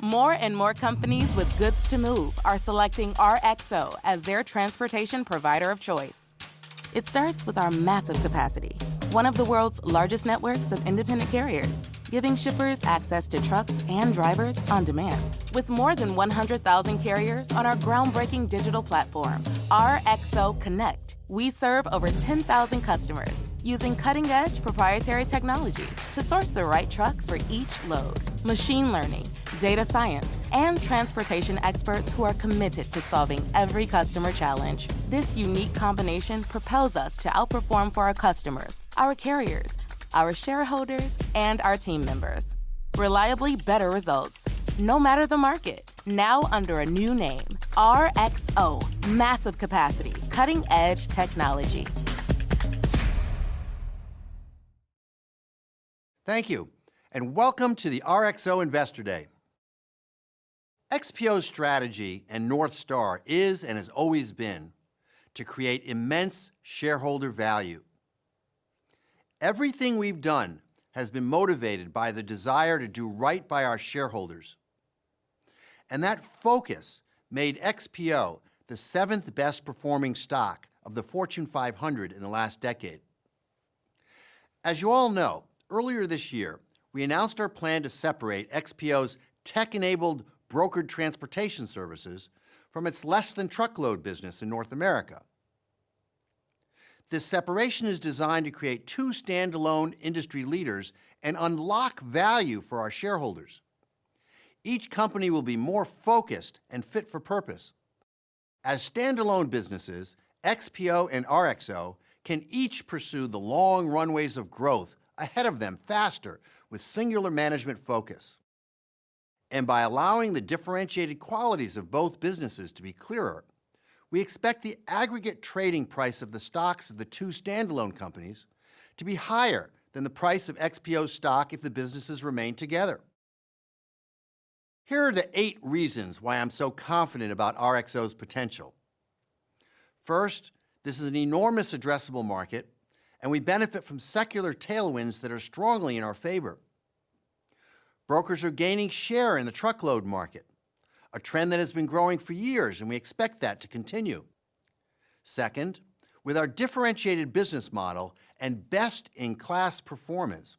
More and more companies with goods to move are selecting RXO as their transportation provider of choice. It starts with our massive capacity, one of the world's largest networks of independent carriers, giving shippers access to trucks and drivers on demand. With more than 100,000 carriers on our groundbreaking digital platform, RXO Connect, we serve over 10,000 customers using cutting-edge proprietary technology to source the right truck for each load. Machine learning, data science, and transportation experts who are committed to solving every customer challenge. This unique combination propels us to outperform for our customers, our carriers, our shareholders, and our team members. Reliably better results, no matter the market. Now under a new name, RXO. Massive capacity. Cutting-edge technology. Thank you, and welcome to the RXO Investor Day. XPO's strategy and North Star is and has always been to create immense shareholder value. Everything we've done has been motivated by the desire to do right by our shareholders, and that focus made XPO the seventh best-performing stock of the Fortune 500 in the last decade. As you all know, earlier this year, we announced our plan to separate XPO's tech-enabled brokered transportation services from its less than truckload business in North America. This separation is designed to create two standalone industry leaders and unlock value for our shareholders. Each company will be more focused and fit for purpose. As standalone businesses, XPO and RXO can each pursue the long runways of growth ahead of them faster with singular management focus. By allowing the differentiated qualities of both businesses to be clearer, we expect the aggregate trading price of the stocks of the two standalone companies to be higher than the price of XPO stock if the businesses remain together. Here are the eight reasons why I'm so confident about RXO's potential. First, this is an enormous addressable market, and we benefit from secular tailwinds that are strongly in our favor. Brokers are gaining share in the truckload market, a trend that has been growing for years, and we expect that to continue. Second, with our differentiated business model and best-in-class performance,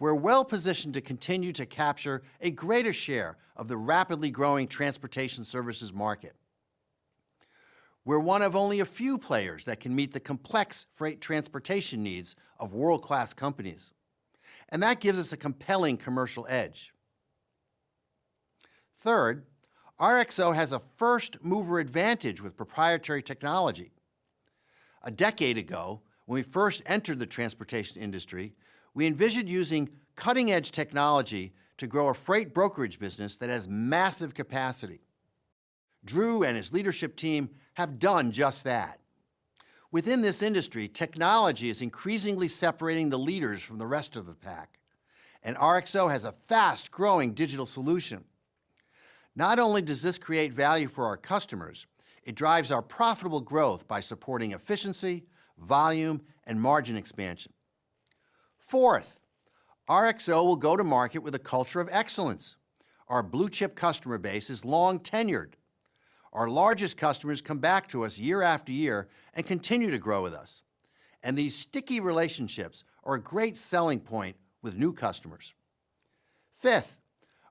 we're well-positioned to continue to capture a greater share of the rapidly growing transportation services market. We're one of only a few players that can meet the complex freight transportation needs of world-class companies, and that gives us a compelling commercial edge. Third, RXO has a first-mover advantage with proprietary technology. A decade ago, when we first entered the transportation industry, we envisioned using cutting-edge technology to grow a freight brokerage business that has massive capacity. Drew and his leadership team have done just that. Within this industry, technology is increasingly separating the leaders from the rest of the pack, and RXO has a fast-growing digital solution. Not only does this create value for our customers, it drives our profitable growth by supporting efficiency, volume, and margin expansion. Fourth, RXO will go to market with a culture of excellence. Our blue-chip customer base is long-tenured. Our largest customers come back to us year after year and continue to grow with us, and these sticky relationships are a great selling point with new customers. Fifth,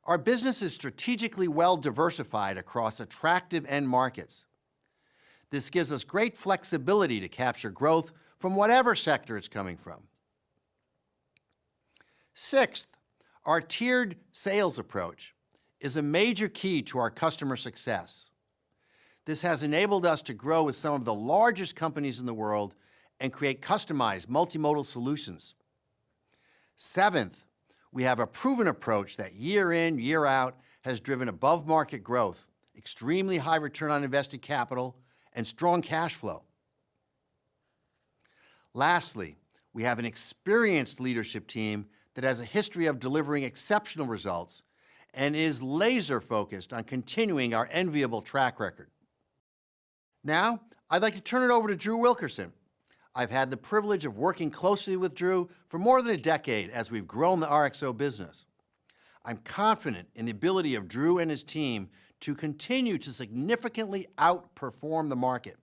our business is strategically well-diversified across attractive end markets. This gives us great flexibility to capture growth from whatever sector it's coming from. Sixth, our tiered sales approach is a major key to our customer success. This has enabled us to grow with some of the largest companies in the world and create customized multimodal solutions. Seventh, we have a proven approach that year in, year out, has driven above-market growth, extremely high return on invested capital, and strong cash flow. Lastly, we have an experienced leadership team that has a history of delivering exceptional results and is laser-focused on continuing our enviable track record. Now, I'd like to turn it over to Drew Wilkerson. I've had the privilege of working closely with Drew for more than a decade as we've grown the RXO business. I'm confident in the ability of Drew and his team to continue to significantly outperform the market.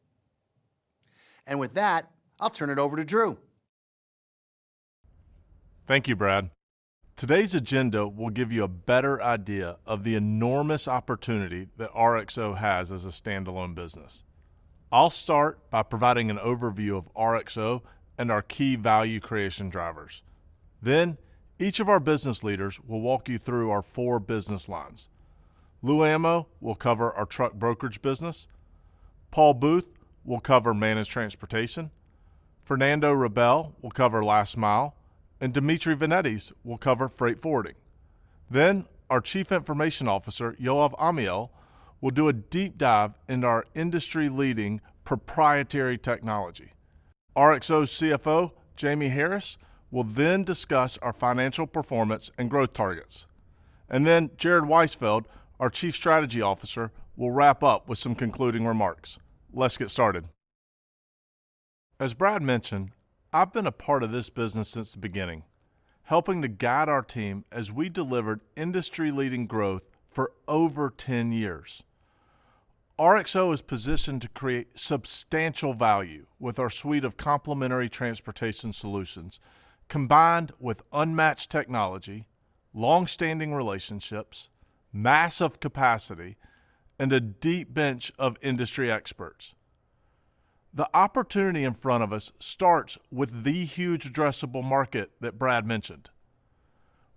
With that, I'll turn it over to Drew. Thank you, Brad. Today's agenda will give you a better idea of the enormous opportunity that RXO has as a standalone business. I'll start by providing an overview of RXO and our key value creation drivers. Each of our business leaders will walk you through our four business lines. Lou Amo will cover our truck brokerage business, Paul Boothe will cover managed transportation, Fernando Rabelo will cover last mile, and Demetri Venetis will cover freight forwarding. Our Chief Information Officer, Yoav Amiel, will do a deep dive into our industry-leading proprietary technology. RXO CFO Jamie Harris will then discuss our financial performance and growth targets. Jared Weisfeld, our Chief Strategy Officer, will wrap up with some concluding remarks. Let's get started. As Brad mentioned, I've been a part of this business since the beginning, helping to guide our team as we delivered industry-leading growth for over 10 years. RXO is positioned to create substantial value with our suite of complementary transportation solutions, combined with unmatched technology, long-standing relationships, massive capacity, and a deep bench of industry experts. The opportunity in front of us starts with the huge addressable market that Brad mentioned.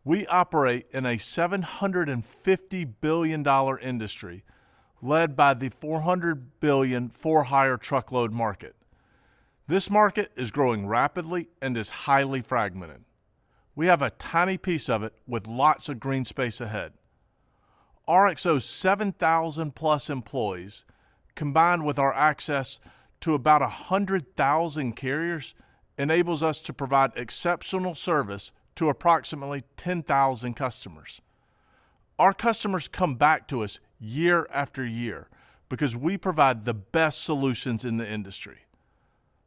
We operate in a $750 billion industry led by the $400 billion for-hire truckload market. This market is growing rapidly and is highly fragmented. We have a tiny piece of it with lots of green space ahead. RXO's 7,000+ employees, combined with our access to about 100,000 carriers, enables us to provide exceptional service to approximately 10,000 customers. Our customers come back to us year after year because we provide the best solutions in the industry.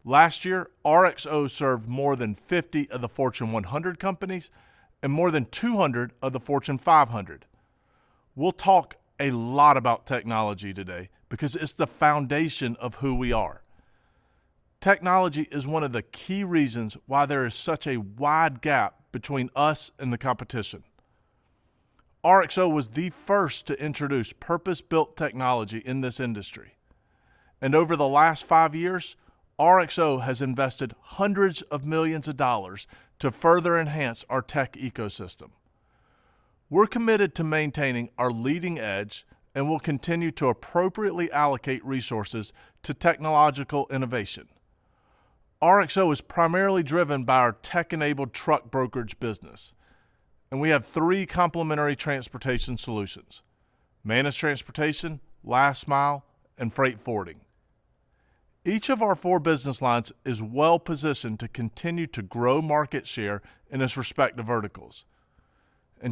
Last year, RXO served more than 50 of the Fortune 100 companies and more than 200 of the Fortune 500. We'll talk a lot about technology today because it's the foundation of who we are. Technology is one of the key reasons why there is such a wide gap between us and the competition. RXO was the first to introduce purpose-built technology in this industry, and over the last 5 years, RXO has invested hundreds of millions of dollars to further enhance our tech ecosystem. We're committed to maintaining our leading edge and will continue to appropriately allocate resources to technological innovation. RXO is primarily driven by our tech-enabled truck brokerage business, and we have three complementary transportation solutions, managed transportation, last mile, and freight forwarding. Each of our four business lines is well-positioned to continue to grow market share in its respective verticals.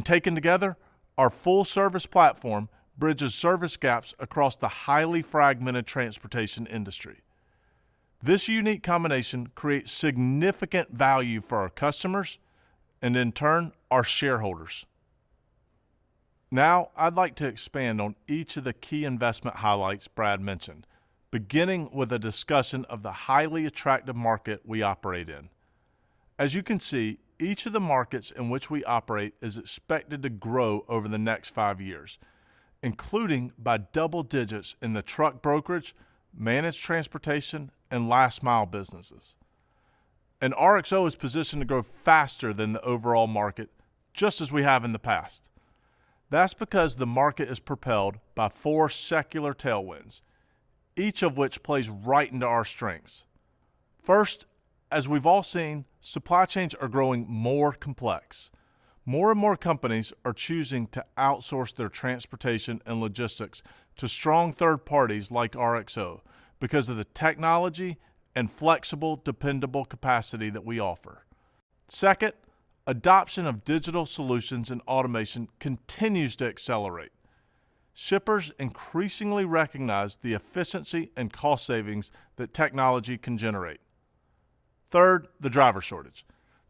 Taken together, our full service platform bridges service gaps across the highly fragmented transportation industry. This unique combination creates significant value for our customers and in turn, our shareholders. Now, I'd like to expand on each of the key investment highlights Brad mentioned, beginning with a discussion of the highly attractive market we operate in. As you can see, each of the markets in which we operate is expected to grow over the next five years, including by double digits in the truck brokerage, managed transportation, and last mile businesses. RXO is positioned to grow faster than the overall market, just as we have in the past. That's because the market is propelled by four secular tailwinds, each of which plays right into our strengths. First, as we've all seen, supply chains are growing more complex. More and more companies are choosing to outsource their transportation and logistics to strong third parties like RXO because of the technology and flexible, dependable capacity that we offer. Second, adoption of digital solutions and automation continues to accelerate. Shippers increasingly recognize the efficiency and cost savings that technology can generate. Third, the driver shortage.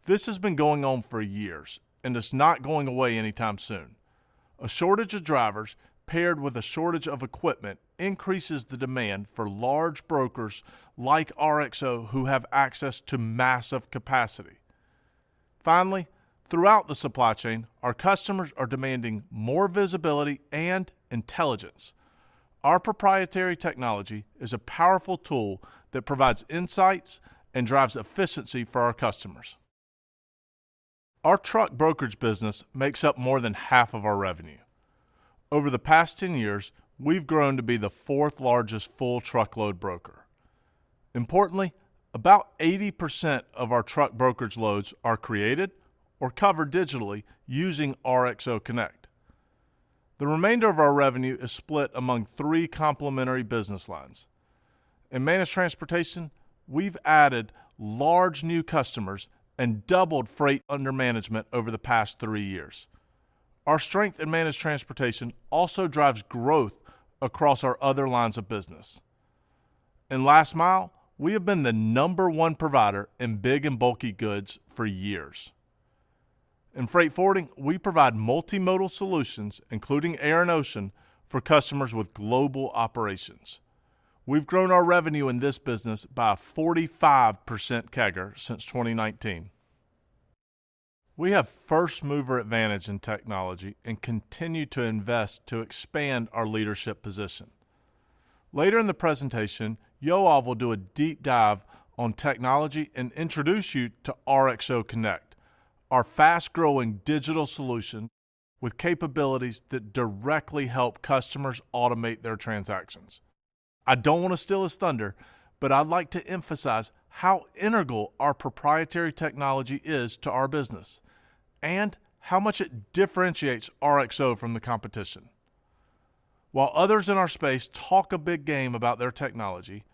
This has been going on for years, and it's not going away anytime soon. A shortage of drivers paired with a shortage of equipment increases the demand for large brokers like RXO who have access to massive capacity. Finally, throughout the supply chain, our customers are demanding more visibility and intelligence. Our proprietary technology is a powerful tool that provides insights and drives efficiency for our customers. Our truck brokerage business makes up more than half of our revenue. Over the past 10 years, we've grown to be the fourth-largest full truckload broker. Importantly, about 80% of our truck brokerage loads are created or covered digitally using RXO Connect. The remainder of our revenue is split among three complementary business lines. In managed transportation, we've added large new customers and doubled freight under management over the past 3 years. Our strength in managed transportation also drives growth across our other lines of business. In last mile, we have been the number one provider in big and bulky goods for years. In freight forwarding, we provide multimodal solutions, including air and ocean for customers with global operations. We've grown our revenue in this business by 45% CAGR since 2019. We have first-mover advantage in technology and continue to invest to expand our leadership position. Later in the presentation, Yoav will do a deep dive on technology and introduce you to RXO Connect, our fast-growing digital solution with capabilities that directly help customers automate their transactions. I don't want to steal his thunder, but I'd like to emphasize how integral our proprietary technology is to our business and how much it differentiates RXO from the competition. While others in our space talk a big game about their technology,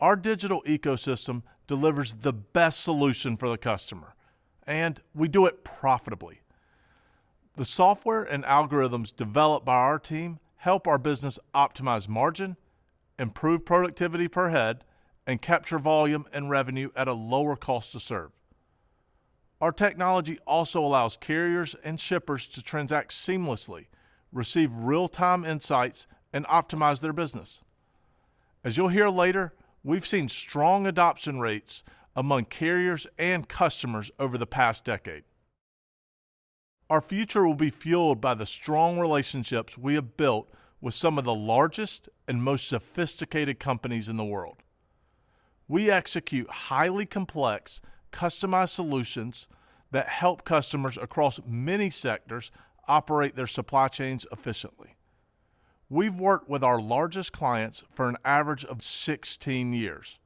our digital ecosystem delivers the best solution for the customer, and we do it profitably. The software and algorithms developed by our team help our business optimize margin, improve productivity per head, and capture volume and revenue at a lower cost to serve. Our technology also allows carriers and shippers to transact seamlessly, receive real-time insights, and optimize their business. As you'll hear later, we've seen strong adoption rates among carriers and customers over the past decade. Our future will be fueled by the strong relationships we have built with some of the largest and most sophisticated companies in the world. We execute highly complex, customized solutions that help customers across many sectors operate their supply chains efficiently. We've worked with our largest clients for an average of 16 years.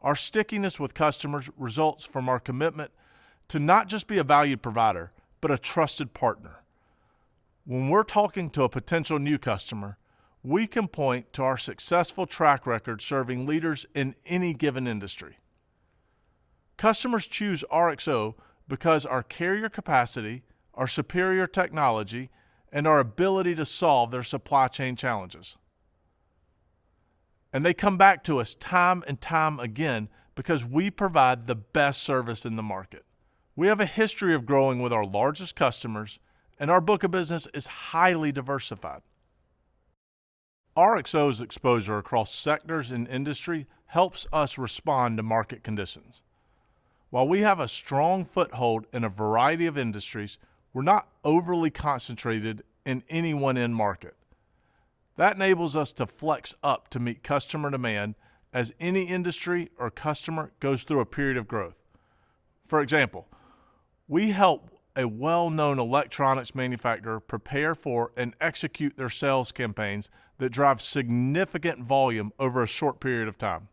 Our stickiness with customers results from our commitment to not just be a value provider, but a trusted partner. When we're talking to a potential new customer, we can point to our successful track record serving leaders in any given industry. Customers choose RXO because our carrier capacity, our superior technology, and our ability to solve their supply chain challenges, and they come back to us time and time again because we provide the best service in the market. We have a history of growing with our largest customers, and our book of business is highly diversified. RXO's exposure across sectors and industry helps us respond to market conditions. While we have a strong foothold in a variety of industries, we're not overly concentrated in any one end market. That enables us to flex up to meet customer demand as any industry or customer goes through a period of growth. For example, we help a well-known electronics manufacturer prepare for and execute their sales campaigns that drive significant volume over a short period of time.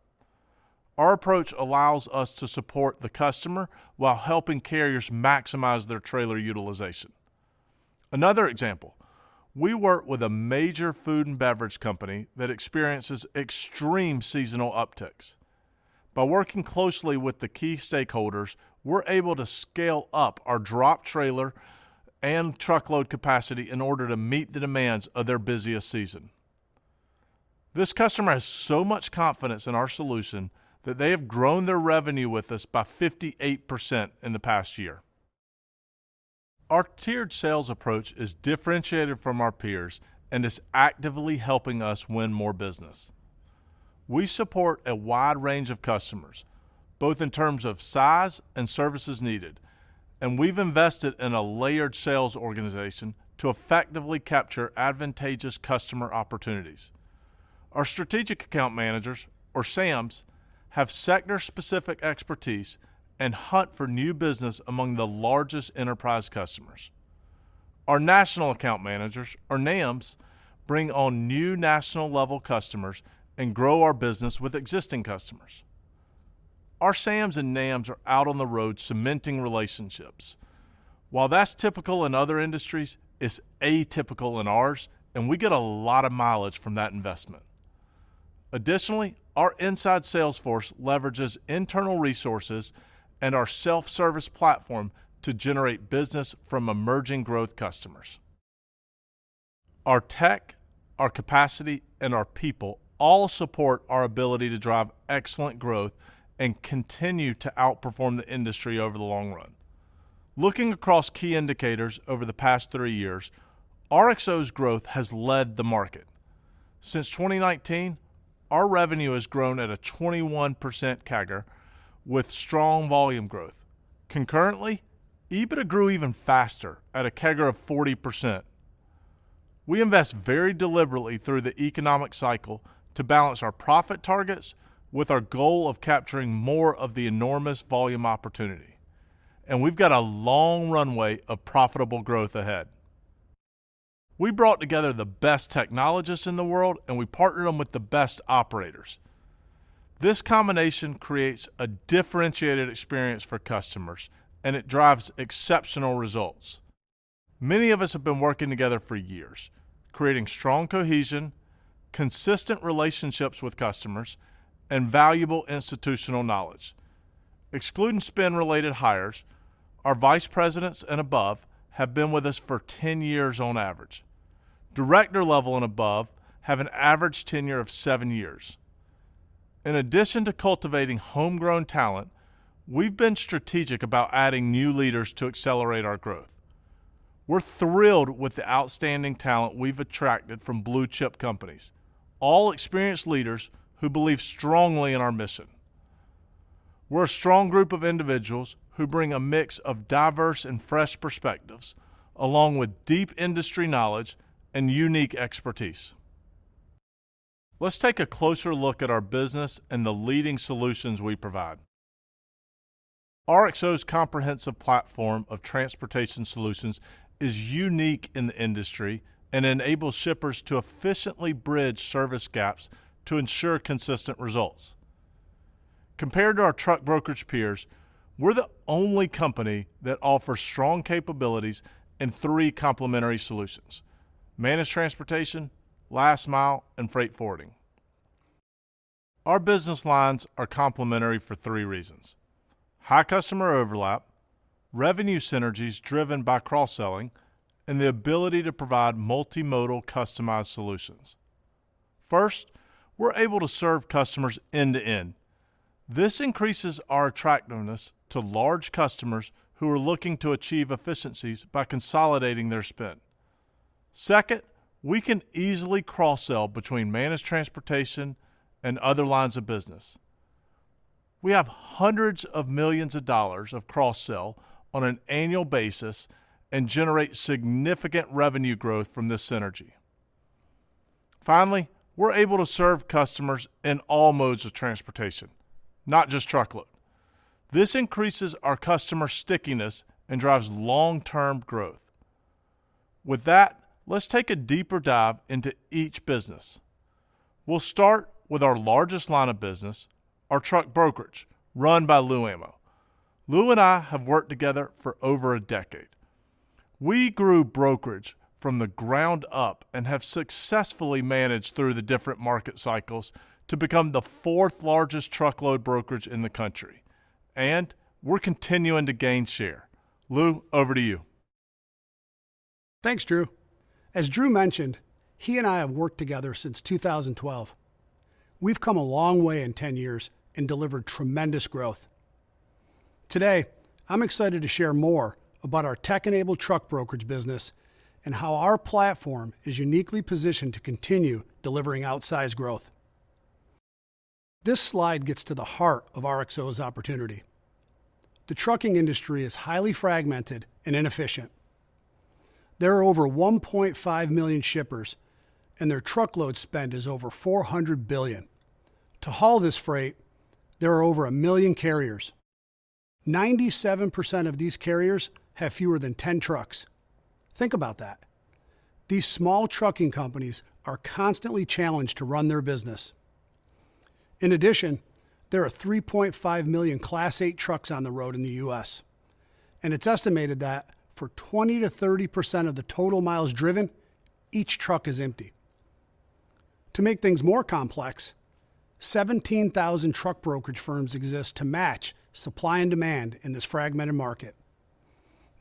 Our approach allows us to support the customer while helping carriers maximize their trailer utilization. Another example, we work with a major food and beverage company that experiences extreme seasonal upticks. By working closely with the key stakeholders, we're able to scale up our drop trailer and truckload capacity in order to meet the demands of their busiest season. This customer has so much confidence in our solution that they have grown their revenue with us by 58% in the past year. Our tiered sales approach is differentiated from our peers and is actively helping us win more business. We support a wide range of customers, both in terms of size and services needed, and we've invested in a layered sales organization to effectively capture advantageous customer opportunities. Our strategic account managers, or SAMs, have sector-specific expertise and hunt for new business among the largest enterprise customers. Our national account managers, or NAMs, bring on new national-level customers and grow our business with existing customers. Our SAMs and NAMs are out on the road cementing relationships. While that's typical in other industries, it's atypical in ours, and we get a lot of mileage from that investment. Additionally, our inside sales force leverages internal resources and our self-service platform to generate business from emerging growth customers. Our tech, our capacity, and our people all support our ability to drive excellent growth and continue to outperform the industry over the long run. Looking across key indicators over the past three years, RXO's growth has led the market. Since 2019, our revenue has grown at a 21% CAGR with strong volume growth. Concurrently, EBITDA grew even faster at a CAGR of 40%. We invest very deliberately through the economic cycle to balance our profit targets with our goal of capturing more of the enormous volume opportunity, and we've got a long runway of profitable growth ahead. We brought together the best technologists in the world, and we partnered them with the best operators. This combination creates a differentiated experience for customers, and it drives exceptional results. Many of us have been working together for years, creating strong cohesion, consistent relationships with customers, and valuable institutional knowledge. Excluding spin-related hires, our vice presidents and above have been with us for 10 years on average. Director-level and above have an average tenure of 7 years. In addition to cultivating homegrown talent, we've been strategic about adding new leaders to accelerate our growth. We're thrilled with the outstanding talent we've attracted from blue-chip companies, all experienced leaders who believe strongly in our mission. We're a strong group of individuals who bring a mix of diverse and fresh perspectives along with deep industry knowledge and unique expertise. Let's take a closer look at our business and the leading solutions we provide. RXO's comprehensive platform of transportation solutions is unique in the industry and enables shippers to efficiently bridge service gaps to ensure consistent results. Compared to our truck brokerage peers, we're the only company that offers strong capabilities in three complementary solutions: managed transportation, last mile, and freight forwarding. Our business lines are complementary for three reasons: high customer overlap, revenue synergies driven by cross-selling, and the ability to provide multimodal customized solutions. First, we're able to serve customers end-to-end. This increases our attractiveness to large customers who are looking to achieve efficiencies by consolidating their spend. Second, we can easily cross-sell between managed transportation and other lines of business. We have hundreds of millions of dollars of cross-sell on an annual basis and generate significant revenue growth from this synergy. Finally, we're able to serve customers in all modes of transportation, not just truckload. This increases our customer stickiness and drives long-term growth. With that, let's take a deeper dive into each business. We'll start with our largest line of business, our truck brokerage, run by Lou Amo. Lou and I have worked together for over a decade. We grew brokerage from the ground up and have successfully managed through the different market cycles to become the fourth-largest truckload brokerage in the country, and we're continuing to gain share. Lou, over to you. Thanks, Drew. As Drew mentioned, he and I have worked together since 2012. We've come a long way in 10 years and delivered tremendous growth. Today, I'm excited to share more about our tech-enabled truck brokerage business and how our platform is uniquely positioned to continue delivering outsized growth. This slide gets to the heart of RXO's opportunity. The trucking industry is highly fragmented and inefficient. There are over 1.5 million shippers, and their truckload spend is over $400 billion. To haul this freight, there are over 1 million carriers. 97% of these carriers have fewer than 10 trucks. Think about that. These small trucking companies are constantly challenged to run their business. In addition, there are 3.5 million Class 8 trucks on the road in the U.S., and it's estimated that for 20%-30% of the total miles driven, each truck is empty. To make things more complex, 17,000 truck brokerage firms exist to match supply and demand in this fragmented market.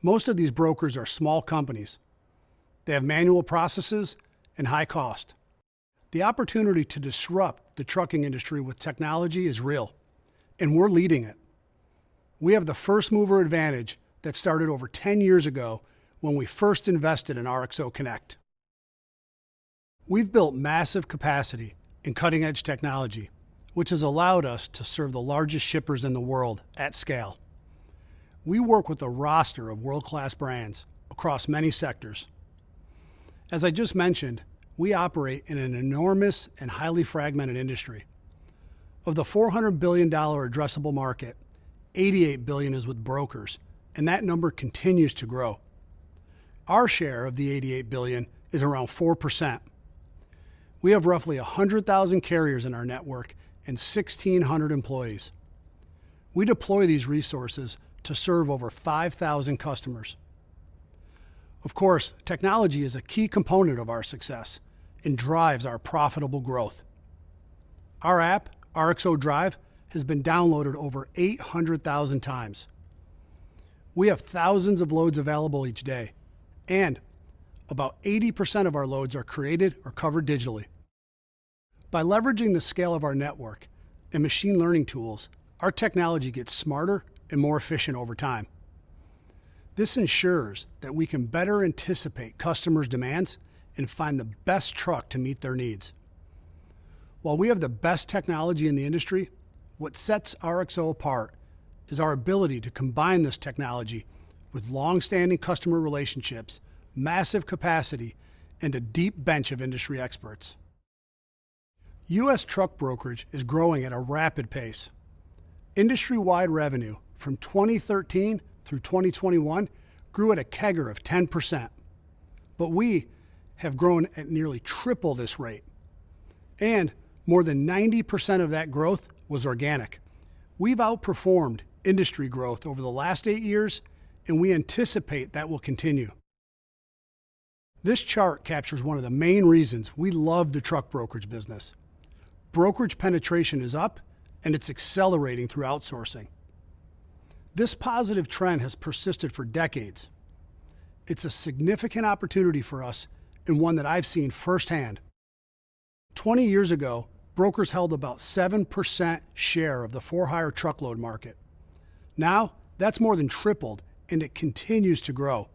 Most of these brokers are small companies. They have manual processes and high cost. The opportunity to disrupt the trucking industry with technology is real, and we're leading it. We have the first-mover advantage that started over 10 years ago when we first invested in RXO Connect. We've built massive capacity in cutting-edge technology, which has allowed us to serve the largest shippers in the world at scale. We work with a roster of world-class brands across many sectors. As I just mentioned, we operate in an enormous and highly fragmented industry. Of the $400 billion addressable market, $88 billion is with brokers, and that number continues to grow. Our share of the $88 billion is around 4%. We have roughly 100,000 carriers in our network and 1,600 employees. We deploy these resources to serve over 5,000 customers. Of course, technology is a key component of our success and drives our profitable growth. Our app, RXO Drive, has been downloaded over 800,000 times. We have thousands of loads available each day, and about 80% of our loads are created or covered digitally. By leveraging the scale of our network and machine learning tools, our technology gets smarter and more efficient over time. This ensures that we can better anticipate customers' demands and find the best truck to meet their needs. While we have the best technology in the industry, what sets RXO apart is our ability to combine this technology with long-standing customer relationships, massive capacity, and a deep bench of industry experts. U.S. truck brokerage is growing at a rapid pace. Industry-wide revenue from 2013 through 2021 grew at a CAGR of 10%, but we have grown at nearly triple this rate, and more than 90% of that growth was organic. We've outperformed industry growth over the last 8 years, and we anticipate that will continue. This chart captures one of the main reasons we love the truck brokerage business. Brokerage penetration is up, and it's accelerating through outsourcing. This positive trend has persisted for decades. It's a significant opportunity for us and one that I've seen firsthand. 20 years ago, brokers held about 7% share of the for-hire truckload market. Now, that's more than tripled, and it continues to grow.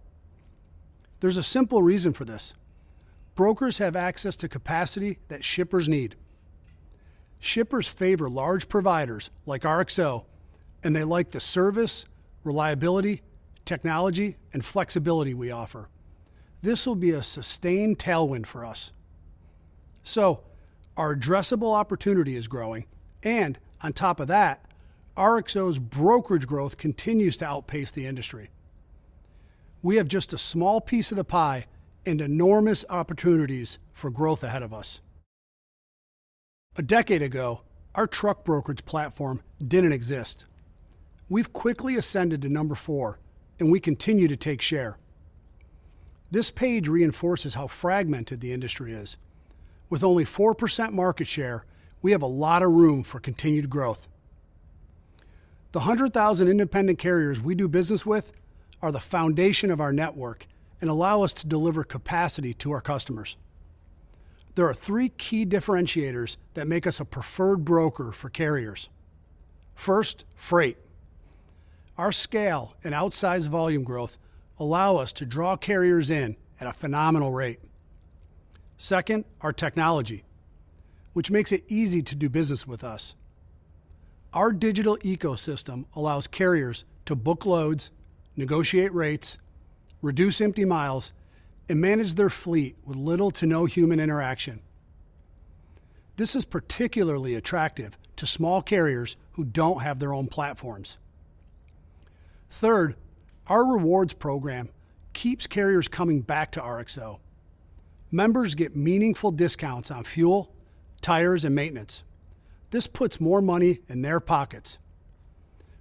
There's a simple reason for this. Brokers have access to capacity that shippers need. Shippers favor large providers like RXO, and they like the service, reliability, technology, and flexibility we offer. This will be a sustained tailwind for us. Our addressable opportunity is growing, and on top of that, RXO's brokerage growth continues to outpace the industry. We have just a small piece of the pie and enormous opportunities for growth ahead of us. A decade ago, our truck brokerage platform didn't exist. We've quickly ascended to number 4, and we continue to take share. This page reinforces how fragmented the industry is. With only 4% market share, we have a lot of room for continued growth. The 100,000 independent carriers we do business with are the foundation of our network and allow us to deliver capacity to our customers. There are three key differentiators that make us a preferred broker for carriers. First, freight. Our scale and outsized volume growth allow us to draw carriers in at a phenomenal rate. Second, our technology, which makes it easy to do business with us. Our digital ecosystem allows carriers to book loads, negotiate rates, reduce empty miles, and manage their fleet with little to no human interaction. This is particularly attractive to small carriers who don't have their own platforms. Third, our rewards program keeps carriers coming back to RXO. Members get meaningful discounts on fuel, tires, and maintenance. This puts more money in their pockets.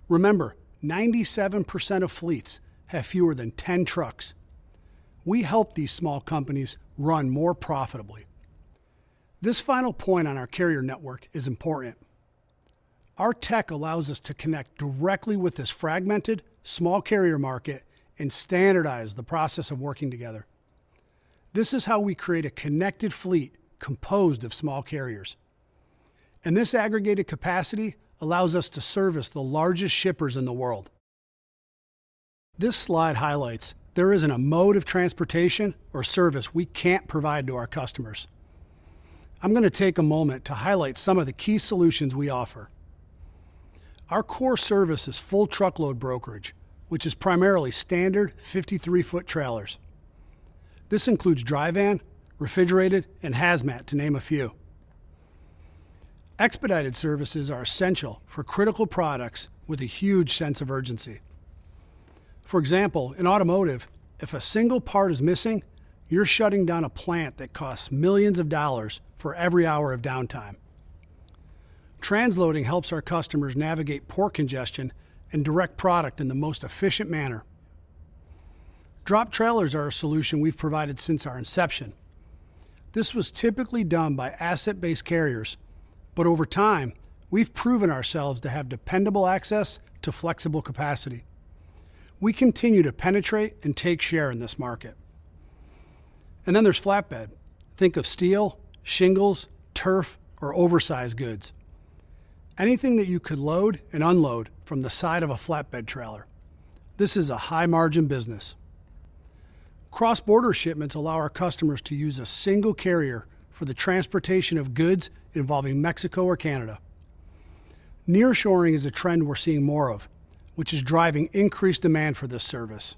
Remember, 97% of fleets have fewer than 10 trucks. We help these small companies run more profitably. This final point on our carrier network is important. Our tech allows us to connect directly with this fragmented, small carrier market and standardize the process of working together. This is how we create a connected fleet composed of small carriers. This aggregated capacity allows us to service the largest shippers in the world. This slide highlights there isn't a mode of transportation or service we can't provide to our customers. I'm going to take a moment to highlight some of the key solutions we offer. Our core service is full truckload brokerage, which is primarily standard 53-foot trailers. This includes dry van, refrigerated, and hazmat, to name a few. Expedited services are essential for critical products with a huge sense of urgency. For example, in automotive, if a single part is missing, you're shutting down a plant that costs millions of dollars for every hour of downtime. Transloading helps our customers navigate port congestion and direct product in the most efficient manner. Drop trailers are a solution we've provided since our inception. This was typically done by asset-based carriers, but over time, we've proven ourselves to have dependable access to flexible capacity. We continue to penetrate and take share in this market. There's flatbed. Think of steel, shingles, turf, or oversized goods. Anything that you could load and unload from the side of a flatbed trailer. This is a high-margin business. Cross-border shipments allow our customers to use a single carrier for the transportation of goods involving Mexico or Canada. Nearshoring is a trend we're seeing more of, which is driving increased demand for this service.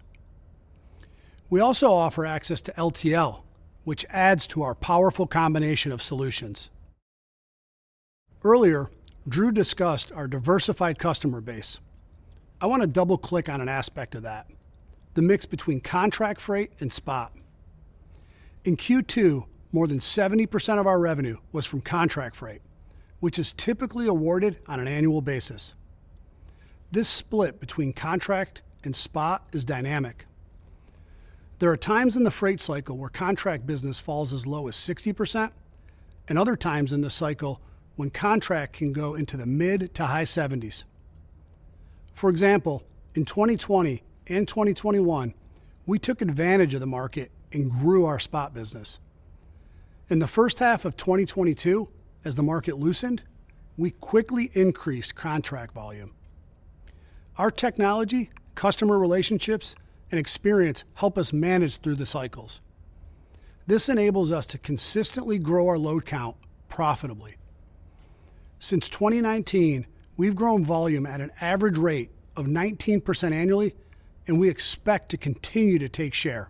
We also offer access to LTL, which adds to our powerful combination of solutions. Earlier, Drew discussed our diversified customer base. I want to double-click on an aspect of that, the mix between contract freight and spot. In Q2, more than 70% of our revenue was from contract freight, which is typically awarded on an annual basis. This split between contract and spot is dynamic. There are times in the freight cycle where contract business falls as low as 60%, and other times in the cycle when contract can go into the mid- to high 70s%. For example, in 2020 and 2021, we took advantage of the market and grew our spot business. In the first half of 2022, as the market loosened, we quickly increased contract volume. Our technology, customer relationships, and experience help us manage through the cycles. This enables us to consistently grow our load count profitably. Since 2019, we've grown volume at an average rate of 19% annually, and we expect to continue to take share.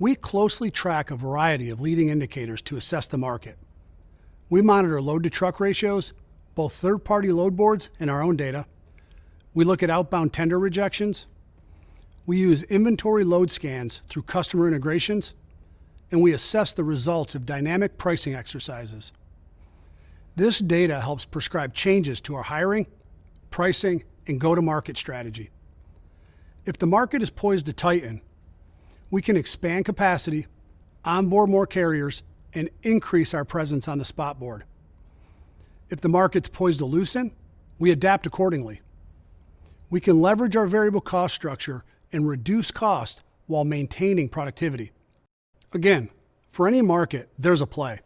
We closely track a variety of leading indicators to assess the market. We monitor load-to-truck ratios, both third-party load boards and our own data. We look at outbound tender rejections. We use inventory load scans through customer integrations, and we assess the results of dynamic pricing exercises. This data helps prescribe changes to our hiring, pricing, and go-to-market strategy. If the market is poised to tighten, we can expand capacity, onboard more carriers, and increase our presence on the spot board. If the market's poised to loosen, we adapt accordingly. We can leverage our variable cost structure and reduce cost while maintaining productivity. Again, for any market, there's a play.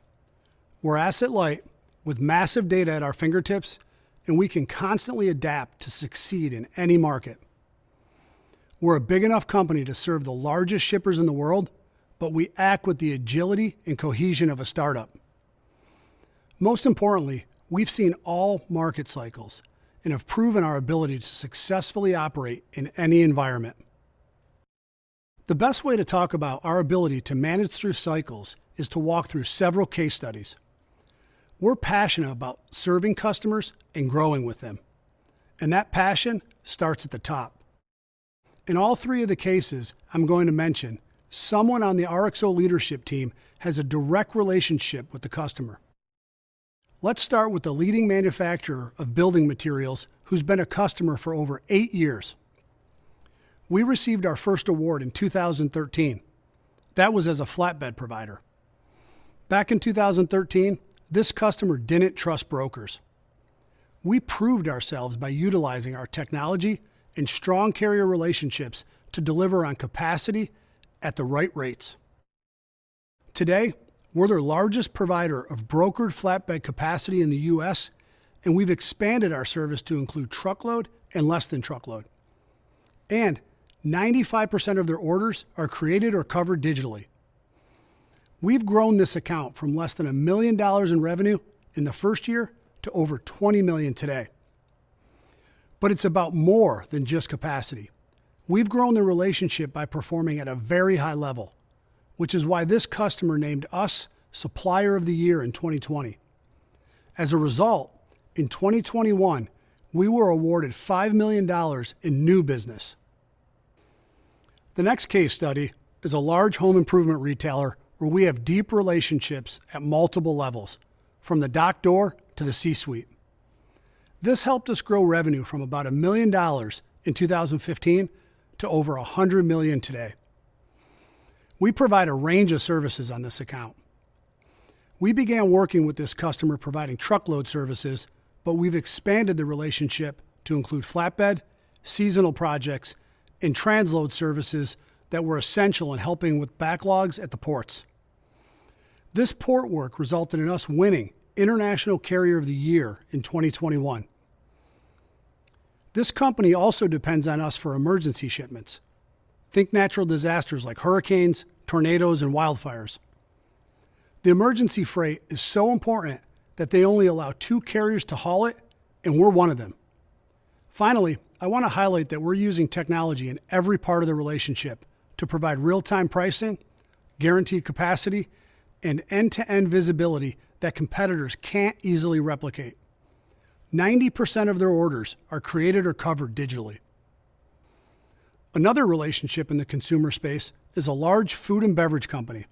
We're asset light with massive data at our fingertips, and we can constantly adapt to succeed in any market. We're a big enough company to serve the largest shippers in the world, but we act with the agility and cohesion of a startup. Most importantly, we've seen all market cycles and have proven our ability to successfully operate in any environment. The best way to talk about our ability to manage through cycles is to walk through several case studies. We're passionate about serving customers and growing with them, and that passion starts at the top. In all three of the cases I'm going to mention, someone on the RXO leadership team has a direct relationship with the customer. Let's start with the leading manufacturer of building materials who's been a customer for over eight years. We received our first award in 2013. That was as a flatbed provider. Back in 2013, this customer didn't trust brokers. We proved ourselves by utilizing our technology and strong carrier relationships to deliver on capacity at the right rates. Today, we're their largest provider of brokered flatbed capacity in the U.S., and we've expanded our service to include truckload and less than truckload. 95% of their orders are created or covered digitally. We've grown this account from less than $1 million in revenue in the first year to over $20 million today. It's about more than just capacity. We've grown the relationship by performing at a very high level, which is why this customer named us Supplier of the Year in 2020. As a result, in 2021, we were awarded $5 million in new business. The next case study is a large home improvement retailer where we have deep relationships at multiple levels, from the dock door to the C-suite. This helped us grow revenue from about $1 million in 2015 to over $100 million today. We provide a range of services on this account. We began working with this customer providing truckload services, but we've expanded the relationship to include flatbed, seasonal projects, and transload services that were essential in helping with backlogs at the ports. This port work resulted in us winning International Carrier of the Year in 2021. This company also depends on us for emergency shipments. Think natural disasters like hurricanes, tornadoes, and wildfires. The emergency freight is so important that they only allow two carriers to haul it, and we're one of them. Finally, I want to highlight that we're using technology in every part of the relationship to provide real-time pricing, guaranteed capacity, and end-to-end visibility that competitors can't easily replicate. 90% of their orders are created or covered digitally. Another relationship in the consumer space is a large food and beverage company.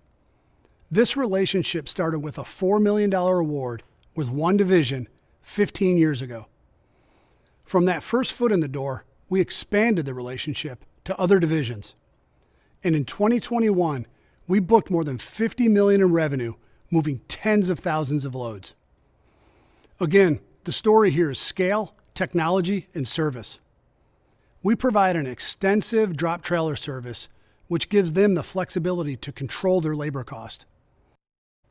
This relationship started with a $4 million award with one division 15 years ago. From that first foot in the door, we expanded the relationship to other divisions. In 2021, we booked more than $50 million in revenue, moving tens of thousands of loads. Again, the story here is scale, technology, and service. We provide an extensive drop trailer service, which gives them the flexibility to control their labor cost.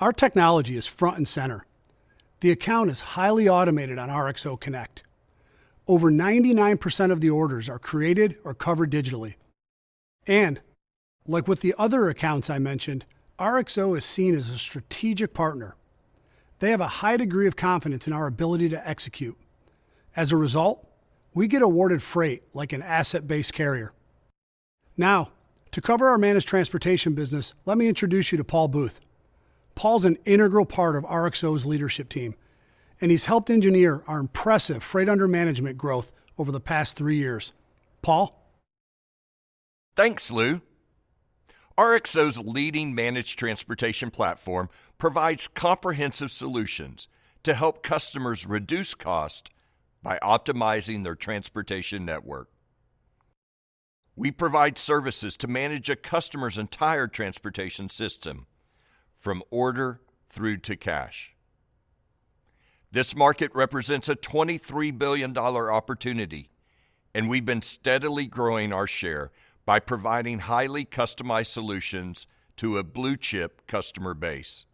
Our technology is front and center. The account is highly automated on RXO Connect. Over 99% of the orders are created or covered digitally. Like with the other accounts I mentioned, RXO is seen as a strategic partner. They have a high degree of confidence in our ability to execute. As a result, we get awarded freight like an asset-based carrier. Now, to cover our managed transportation business, let me introduce you to Paul Boothe. Paul's an integral part of RXO's leadership team, and he's helped engineer our impressive freight under management growth over the past three years. Paul? Thanks, Lou. RXO's leading managed transportation platform provides comprehensive solutions to help customers reduce cost by optimizing their transportation network. We provide services to manage a customer's entire transportation system from order through to cash. This market represents a $23 billion opportunity, and we've been steadily growing our share by providing highly customized solutions to a blue-chip customer base.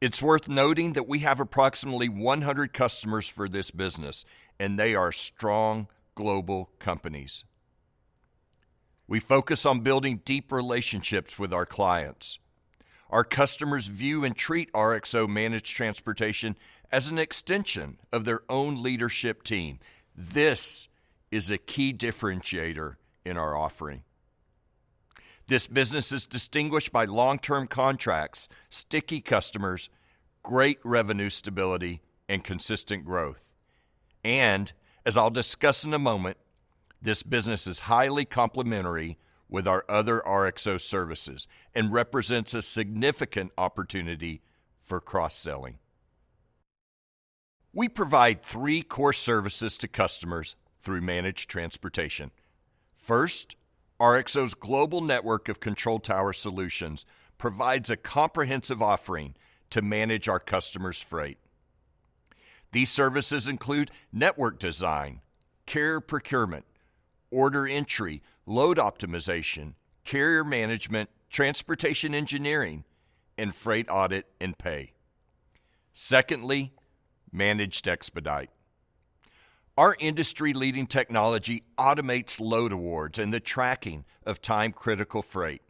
It's worth noting that we have approximately 100 customers for this business, and they are strong global companies. We focus on building deep relationships with our clients. Our customers view and treat RXO Managed Transportation as an extension of their own leadership team. This is a key differentiator in our offering. This business is distinguished by long-term contracts, sticky customers, great revenue stability, and consistent growth. As I'll discuss in a moment, this business is highly complementary with our other RXO services and represents a significant opportunity for cross-selling. We provide three core services to customers through Managed Transportation. First, RXO's global network of control tower solutions provides a comprehensive offering to manage our customers' freight. These services include network design, carrier procurement, order entry, load optimization, carrier management, transportation engineering, and freight audit and pay. Secondly, Managed Expedite. Our industry-leading technology automates load awards and the tracking of time-critical freight.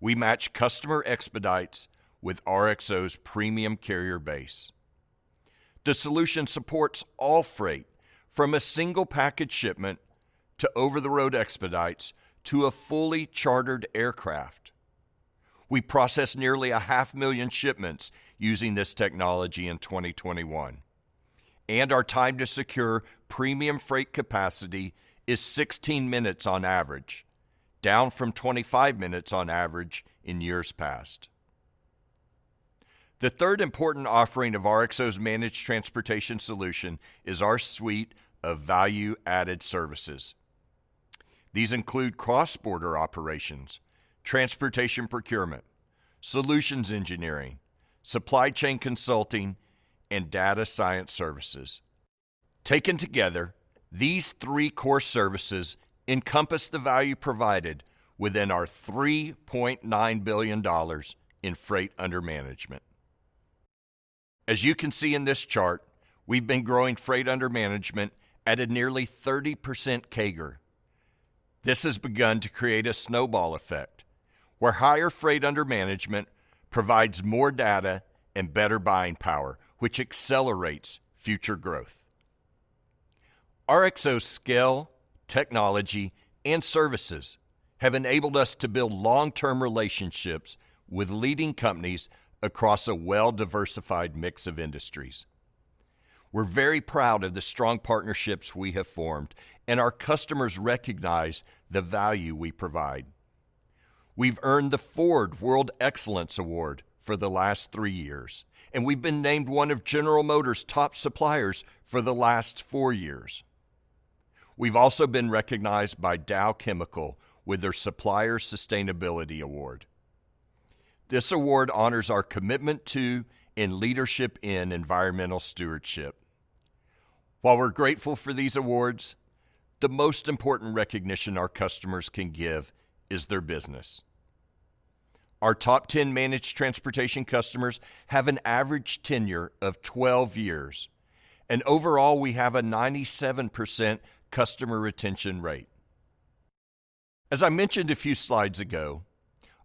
We match customer expedites with RXO's premium carrier base. The solution supports all freight from a single package shipment to over-the-road expedites to a fully chartered aircraft. We processed nearly 500,000 shipments using this technology in 2021. Our time to secure premium freight capacity is 16 minutes on average, down from 25 minutes on average in years past. The third important offering of RXO's Managed Transportation solution is our suite of value-added services. These include cross-border operations, transportation procurement, solutions engineering, supply chain consulting, and data science services. Taken together, these three core services encompass the value provided within our $3.9 billion in freight under management. As you can see in this chart, we've been growing freight under management at a nearly 30% CAGR. This has begun to create a snowball effect, where higher freight under management provides more data and better buying power, which accelerates future growth. RXO scale, technology, and services have enabled us to build long-term relationships with leading companies across a well-diversified mix of industries. We're very proud of the strong partnerships we have formed, and our customers recognize the value we provide. We've earned the Ford World Excellence Award for the last three years, and we've been named one of General Motors' top suppliers for the last four years. We've also been recognized by Dow Chemical with their Supplier Sustainability Award. This award honors our commitment to, and leadership in, environmental stewardship. While we're grateful for these awards, the most important recognition our customers can give is their business. Our top 10 managed transportation customers have an average tenure of 12 years, and overall we have a 97% customer retention rate. As I mentioned a few slides ago,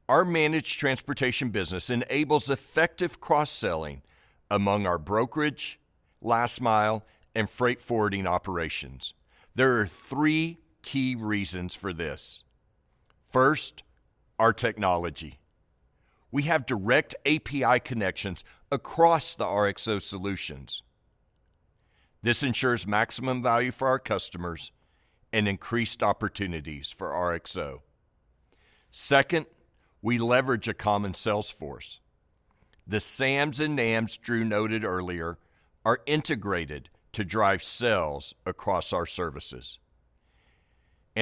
our managed transportation business enables effective cross-selling among our brokerage, last mile, and freight forwarding operations. There are three key reasons for this. First, our technology. We have direct API connections across the RXO solutions. This ensures maximum value for our customers and increased opportunities for RXO. Second, we leverage a common sales force. The SAMs and NAMs Drew noted earlier are integrated to drive sales across our services.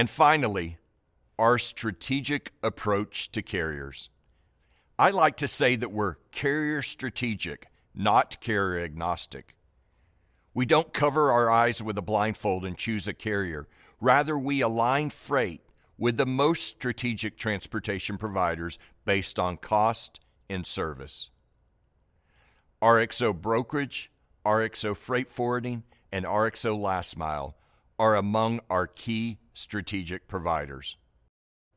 Finally, our strategic approach to carriers. I like to say that we're carrier strategic, not carrier agnostic. We don't cover our eyes with a blindfold and choose a carrier. Rather, we align freight with the most strategic transportation providers based on cost and service. RXO Brokerage, RXO Freight Forwarding, and RXO Last Mile are among our key strategic providers.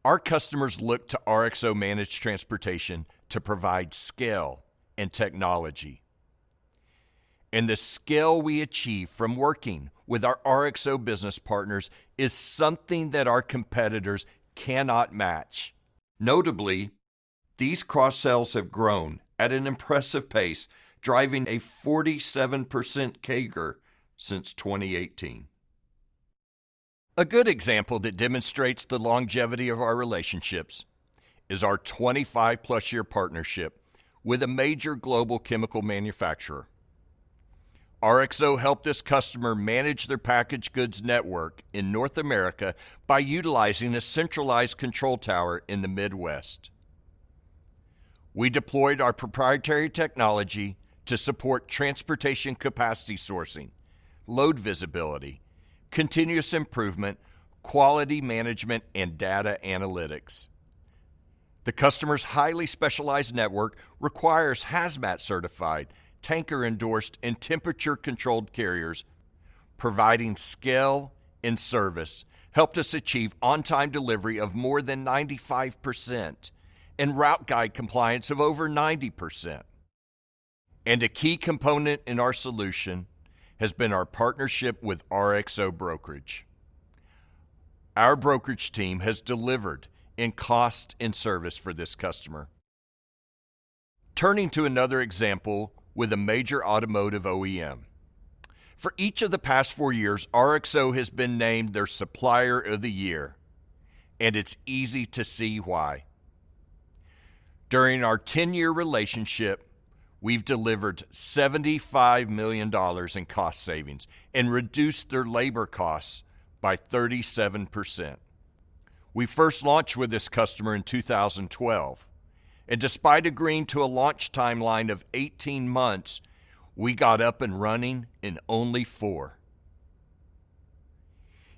Our customers look to RXO Managed Transportation to provide scale and technology. The scale we achieve from working with our RXO business partners is something that our competitors cannot match. Notably, these cross-sells have grown at an impressive pace, driving a 47% CAGR since 2018. A good example that demonstrates the longevity of our relationships is our 25+-year partnership with a major global chemical manufacturer. RXO helped this customer manage their packaged goods network in North America by utilizing a centralized control tower in the Midwest. We deployed our proprietary technology to support transportation capacity sourcing, load visibility, continuous improvement, quality management, and data analytics. The customer's highly specialized network requires hazmat-certified, tanker-endorsed, and temperature-controlled carriers. Providing scale and service helped us achieve on-time delivery of more than 95% and route guide compliance of over 90%. A key component in our solution has been our partnership with RXO Brokerage. Our brokerage team has delivered in cost and service for this customer. Turning to another example with a major automotive OEM. For each of the past four years, RXO has been named their Supplier of the Year, and it's easy to see why. During our 10-year relationship, we've delivered $75 million in cost savings and reduced their labor costs by 37%. We first launched with this customer in 2012, and despite agreeing to a launch timeline of 18 months, we got up and running in only four.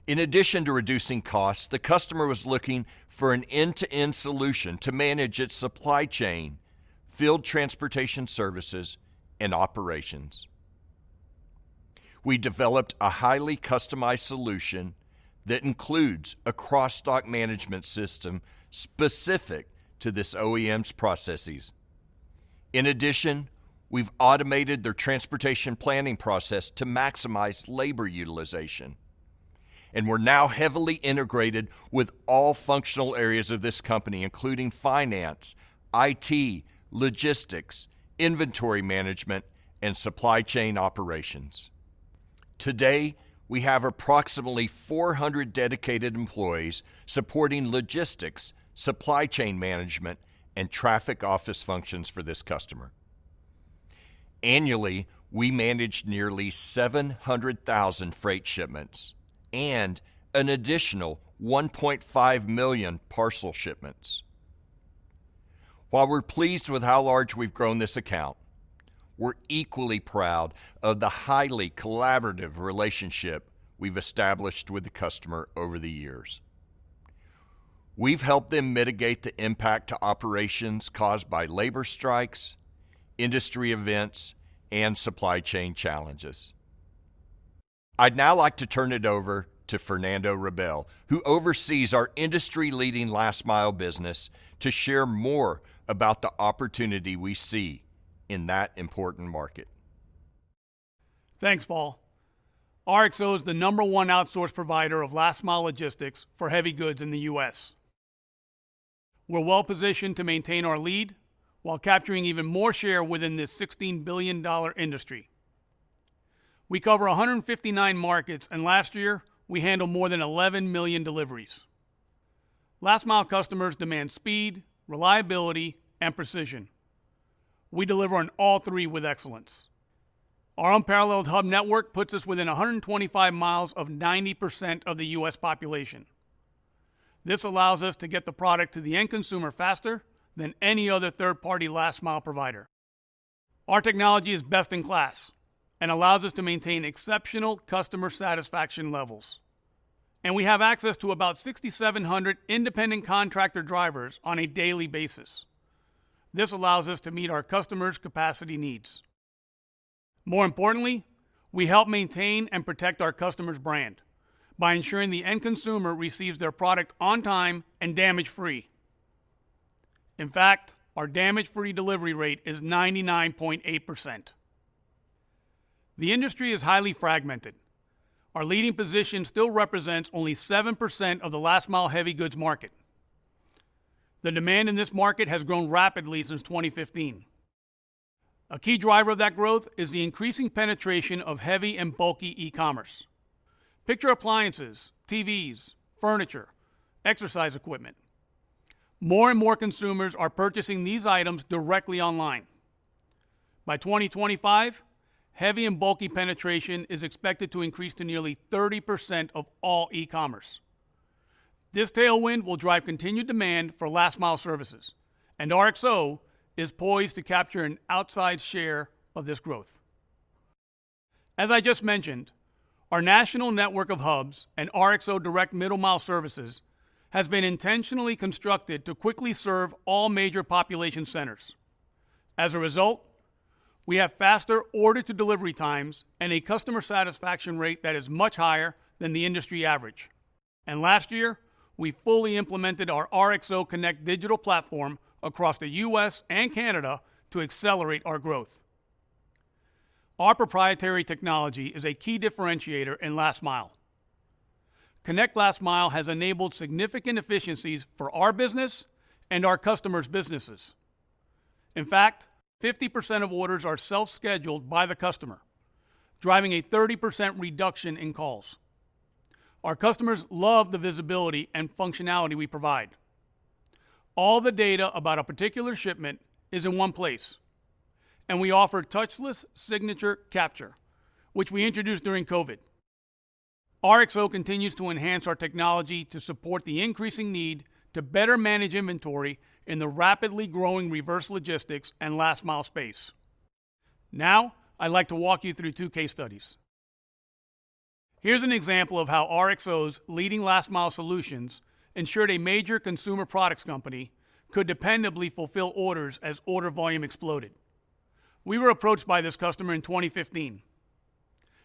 In addition to reducing costs, the customer was looking for an end-to-end solution to manage its supply chain, field transportation services, and operations. We developed a highly customized solution that includes a cross-dock management system specific to this OEM's processes. In addition, we've automated their transportation planning process to maximize labor utilization. We're now heavily integrated with all functional areas of this company, including finance, IT, logistics, inventory management, and supply chain operations. Today, we have approximately 400 dedicated employees supporting logistics, supply chain management, and traffic office functions for this customer. Annually, we manage nearly 700,000 freight shipments and an additional 1.5 million parcel shipments. While we're pleased with how large we've grown this account, we're equally proud of the highly collaborative relationship we've established with the customer over the years. We've helped them mitigate the impact to operations caused by labor strikes, industry events, and supply chain challenges. I'd now like to turn it over to Fernando Rabel, who oversees our industry-leading last-mile business, to share more about the opportunity we see in that important market. Thanks, Paul. RXO is the number one outsource provider of last-mile logistics for heavy goods in the U.S. We're well-positioned to maintain our lead while capturing even more share within this $16 billion industry. We cover 159 markets, and last year, we handled more than 11 million deliveries. Last-mile customers demand speed, reliability, and precision. We deliver on all three with excellence. Our unparalleled hub network puts us within 125 miles of 90% of the U.S. population. This allows us to get the product to the end consumer faster than any other third-party last-mile provider. Our technology is best in class and allows us to maintain exceptional customer satisfaction levels, and we have access to about 6,700 independent contractor drivers on a daily basis. This allows us to meet our customers' capacity needs. More importantly, we help maintain and protect our customer's brand by ensuring the end consumer receives their product on time and damage-free. In fact, our damage-free delivery rate is 99.8%. The industry is highly fragmented. Our leading position still represents only 7% of the last-mile heavy goods market. The demand in this market has grown rapidly since 2015. A key driver of that growth is the increasing penetration of heavy and bulky e-commerce. Picture appliances, TVs, furniture, exercise equipment. More and more consumers are purchasing these items directly online. By 2025, heavy and bulky penetration is expected to increase to nearly 30% of all e-commerce. This tailwind will drive continued demand for last-mile services, and RXO is poised to capture an outsized share of this growth. As I just mentioned, our national network of hubs and RXO Direct middle-mile services has been intentionally constructed to quickly serve all major population centers. As a result, we have faster order-to-delivery times and a customer satisfaction rate that is much higher than the industry average. Last year, we fully implemented our RXO Connect digital platform across the U.S. and Canada to accelerate our growth. Our proprietary technology is a key differentiator in last mile. RXO Connect for Last Mile has enabled significant efficiencies for our business and our customers' businesses. In fact, 50% of orders are self-scheduled by the customer, driving a 30% reduction in calls. Our customers love the visibility and functionality we provide. All the data about a particular shipment is in one place, and we offer touchless signature capture, which we introduced during COVID. RXO continues to enhance our technology to support the increasing need to better manage inventory in the rapidly growing reverse logistics and last mile space. Now, I'd like to walk you through two case studies. Here's an example of how RXO's leading last mile solutions ensured a major consumer products company could dependably fulfill orders as order volume exploded. We were approached by this customer in 2015.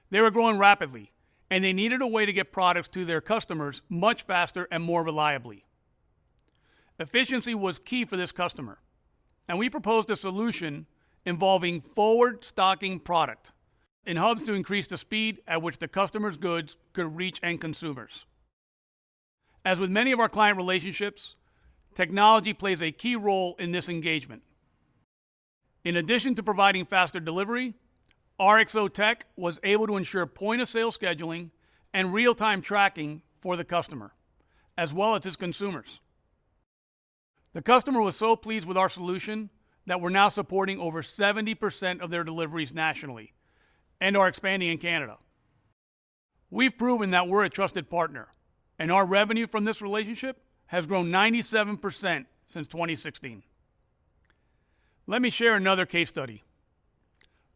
They were growing rapidly, and they needed a way to get products to their customers much faster and more reliably. Efficiency was key for this customer, and we proposed a solution involving forward stocking product in hubs to increase the speed at which the customer's goods could reach end consumers. As with many of our client relationships, technology plays a key role in this engagement. In addition to providing faster delivery, RXO Tech was able to ensure point-of-sale scheduling and real-time tracking for the customer, as well as its consumers. The customer was so pleased with our solution that we're now supporting over 70% of their deliveries nationally and are expanding in Canada. We've proven that we're a trusted partner, and our revenue from this relationship has grown 97% since 2016. Let me share another case study.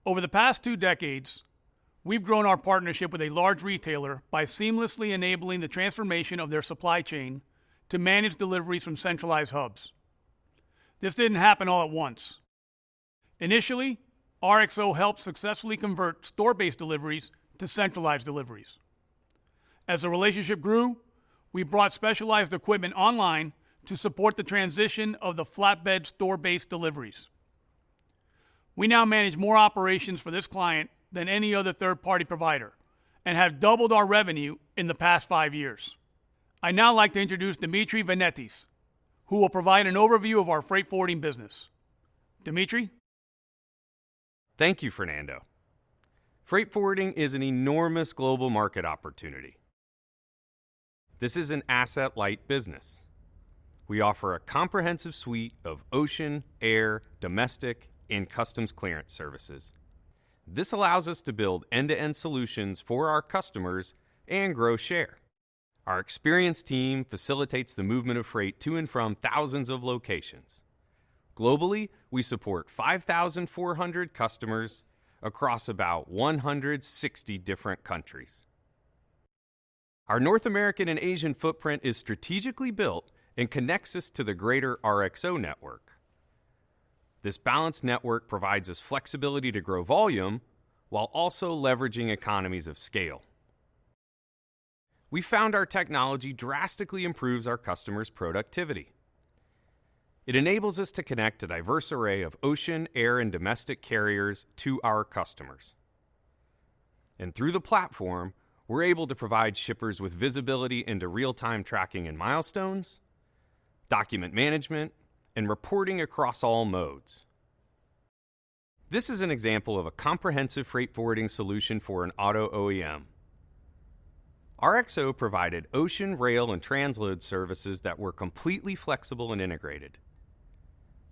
Over the past two decades, we've grown our partnership with a large retailer by seamlessly enabling the transformation of their supply chain to manage deliveries from centralized hubs. This didn't happen all at once. Initially, RXO helped successfully convert store-based deliveries to centralized deliveries. As the relationship grew, we brought specialized equipment online to support the transition of the flatbed store-based deliveries. We now manage more operations for this client than any other third-party provider and have doubled our revenue in the past five years. I'd now like to introduce Demetri Venetis, who will provide an overview of our freight forwarding business. Demetri? Thank you, Fernando. Freight forwarding is an enormous global market opportunity. This is an asset-light business. We offer a comprehensive suite of ocean, air, domestic, and customs clearance services. This allows us to build end-to-end solutions for our customers and grow share. Our experienced team facilitates the movement of freight to and from thousands of locations. Globally, we support 5,400 customers across about 160 different countries. Our North American and Asian footprint is strategically built and connects us to the greater RXO network. This balanced network provides us flexibility to grow volume while also leveraging economies of scale. We found our technology drastically improves our customers' productivity. It enables us to connect a diverse array of ocean, air, and domestic carriers to our customers. Through the platform, we're able to provide shippers with visibility into real-time tracking and milestones, document management, and reporting across all modes. This is an example of a comprehensive freight forwarding solution for an auto OEM. RXO provided ocean, rail, and transload services that were completely flexible and integrated.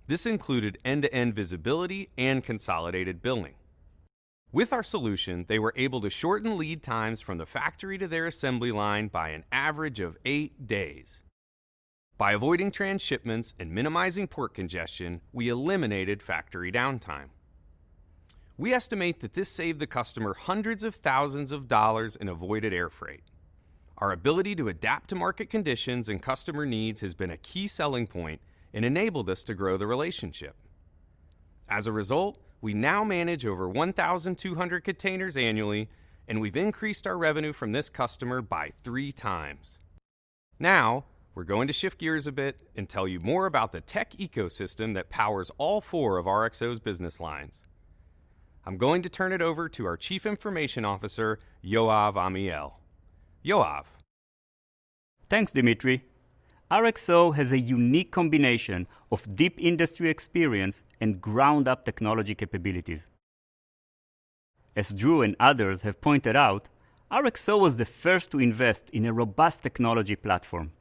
This included end-to-end visibility and consolidated billing. With our solution, they were able to shorten lead times from the factory to their assembly line by an average of eight days. By avoiding transshipments and minimizing port congestion, we eliminated factory downtime. We estimate that this saved the customer $hundreds of thousands in avoided air freight. Our ability to adapt to market conditions and customer needs has been a key selling point and enabled us to grow the relationship. As a result, we now manage over 1,200 containers annually, and we've increased our revenue from this customer by three times. Now, we're going to shift gears a bit and tell you more about the tech ecosystem that powers all four of RXO's business lines. I'm going to turn it over to our Chief Information Officer, Yoav Amiel. Yoav? Thanks, Dmitri. RXO has a unique combination of deep industry experience and ground-up technology capabilities. As Drew and others have pointed out, RXO was the first to invest in a robust technology platform.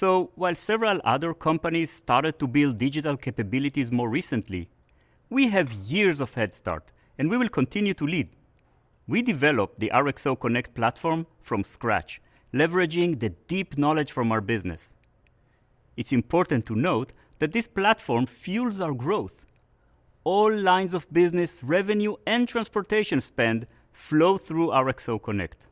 While several other companies started to build digital capabilities more recently, we have years of head start, and we will continue to lead. We developed the RXO Connect platform from scratch, leveraging the deep knowledge from our business. It's important to note that this platform fuels our growth. All lines of business, revenue, and transportation spend flow through RXO Connect.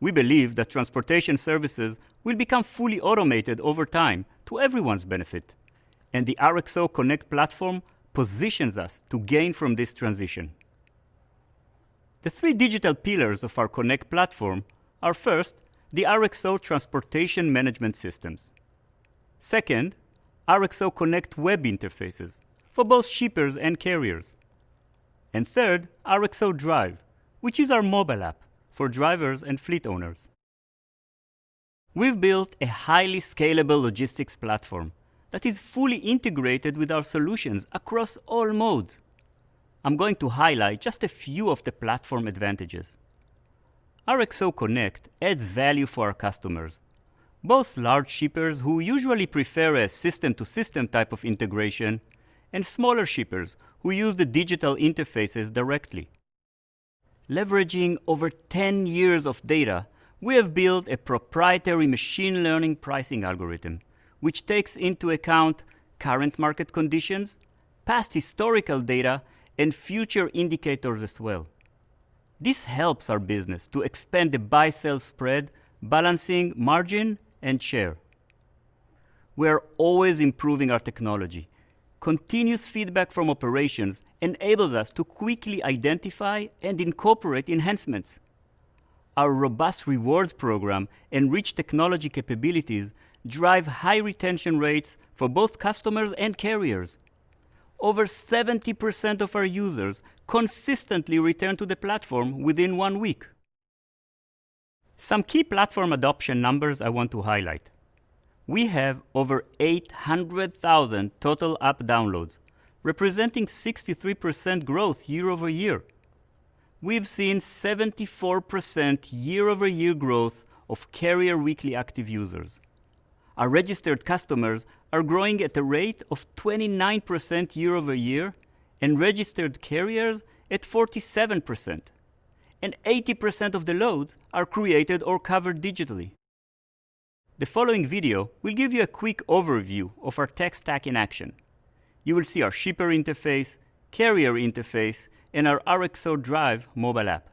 We believe that transportation services will become fully automated over time to everyone's benefit, and the RXO Connect platform positions us to gain from this transition. The three digital pillars of our Connect platform are, first, the RXO Transportation Management Systems. Second, RXO Connect web interfaces for both shippers and carriers. Third, RXO Drive, which is our mobile app for drivers and fleet owners. We've built a highly scalable logistics platform that is fully integrated with our solutions across all modes. I'm going to highlight just a few of the platform advantages. RXO Connect adds value for our customers, both large shippers who usually prefer a system-to-system type of integration, and smaller shippers who use the digital interfaces directly. Leveraging over 10 years of data, we have built a proprietary machine learning pricing algorithm, which takes into account current market conditions, past historical data, and future indicators as well. This helps our business to expand the buy-sell spread, balancing margin and share. We're always improving our technology. Continuous feedback from operations enables us to quickly identify and incorporate enhancements. Our robust rewards program and rich technology capabilities drive high retention rates for both customers and carriers. Over 70% of our users consistently return to the platform within one week. Some key platform adoption numbers I want to highlight. We have over 800,000 total app downloads, representing 63% growth year-over-year. We've seen 74% year-over-year growth of carrier weekly active users. Our registered customers are growing at a rate of 29% year-over-year and registered carriers at 47%. Eighty percent of the loads are created or covered digitally. The following video will give you a quick overview of our tech stack in action. You will see our shipper interface, carrier interface, and our RXO Drive mobile app.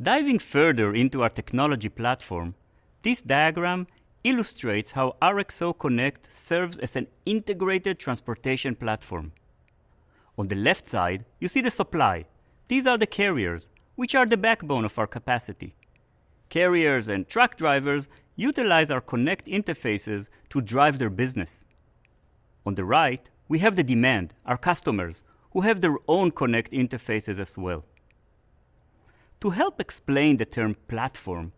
Diving further into our technology platform, this diagram illustrates how RXO Connect serves as an integrated transportation platform. On the left side, you see the supply. These are the carriers, which are the backbone of our capacity. Carriers and truck drivers utilize our Connect interfaces to drive their business. On the right, we have the demand, our customers, who have their own Connect interfaces as well. To help explain the term platform,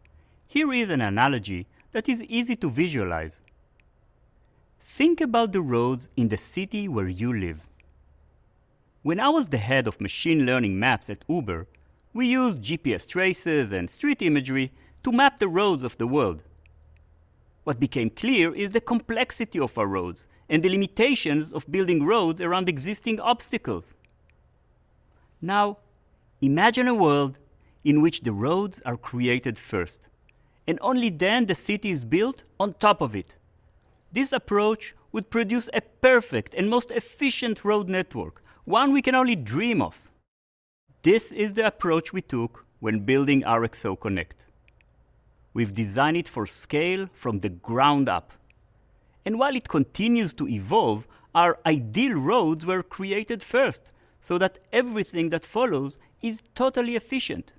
here is an analogy that is easy to visualize. Think about the roads in the city where you live. When I was the head of machine learning maps at Uber, we used GPS traces and street imagery to map the roads of the world. What became clear is the complexity of our roads and the limitations of building roads around existing obstacles. Now, imagine a world in which the roads are created first, and only then the city is built on top of it. This approach would produce a perfect and most efficient road network, one we can only dream of. This is the approach we took when building RXO Connect. We've designed it for scale from the ground up, and while it continues to evolve, our ideal roads were created first, so that everything that follows is totally efficient.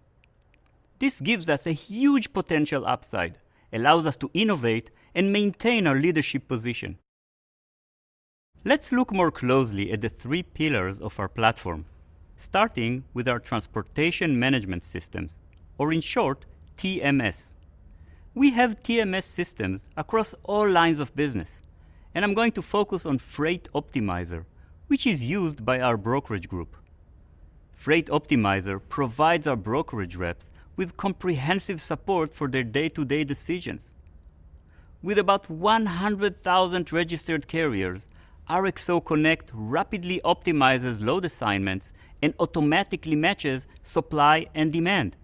This gives us a huge potential upside, allows us to innovate and maintain our leadership position. Let's look more closely at the three pillars of our platform, starting with our transportation management systems, or in short, TMS. We have TMS systems across all lines of business, and I'm going to focus on Freight Optimizer, which is used by our brokerage group. Freight Optimizer provides our brokerage reps with comprehensive support for their day-to-day decisions. With about 100,000 registered carriers, RXO Connect rapidly optimizes load assignments and automatically matches supply and demand.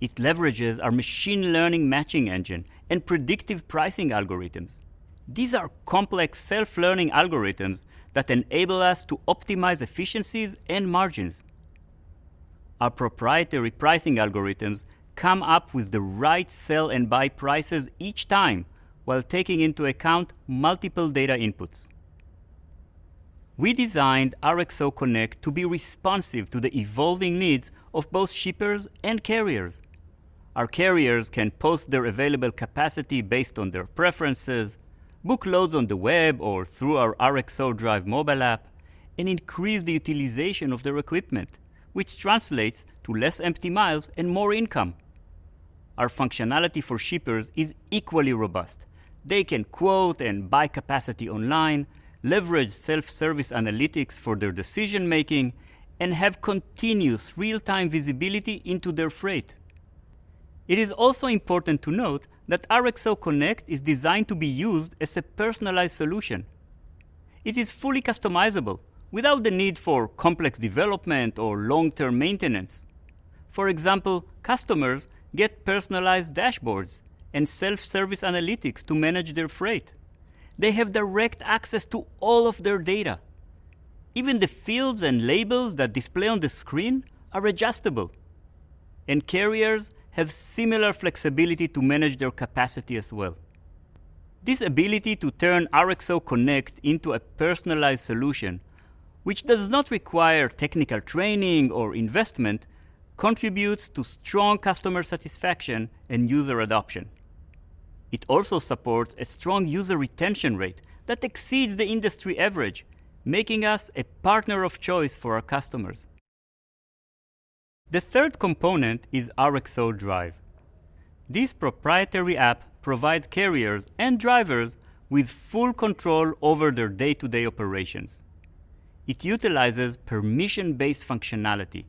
It leverages our machine learning matching engine and predictive pricing algorithms. These are complex self-learning algorithms that enable us to optimize efficiencies and margins. Our proprietary pricing algorithms come up with the right sell and buy prices each time while taking into account multiple data inputs. We designed RXO Connect to be responsive to the evolving needs of both shippers and carriers. Our carriers can post their available capacity based on their preferences, book loads on the web or through our RXO Drive mobile app, and increase the utilization of their equipment, which translates to less empty miles and more income. Our functionality for shippers is equally robust. They can quote and buy capacity online, leverage self-service analytics for their decision-making, and have continuous real-time visibility into their freight. It is also important to note that RXO Connect is designed to be used as a personalized solution. It is fully customizable without the need for complex development or long-term maintenance. For example, customers get personalized dashboards and self-service analytics to manage their freight. They have direct access to all of their data. Even the fields and labels that display on the screen are adjustable, and carriers have similar flexibility to manage their capacity as well. This ability to turn RXO Connect into a personalized solution which does not require technical training or investment contributes to strong customer satisfaction and user adoption. It also supports a strong user retention rate that exceeds the industry average, making us a partner of choice for our customers. The third component is RXO Drive. This proprietary app provides carriers and drivers with full control over their day-to-day operations. It utilizes permission-based functionality,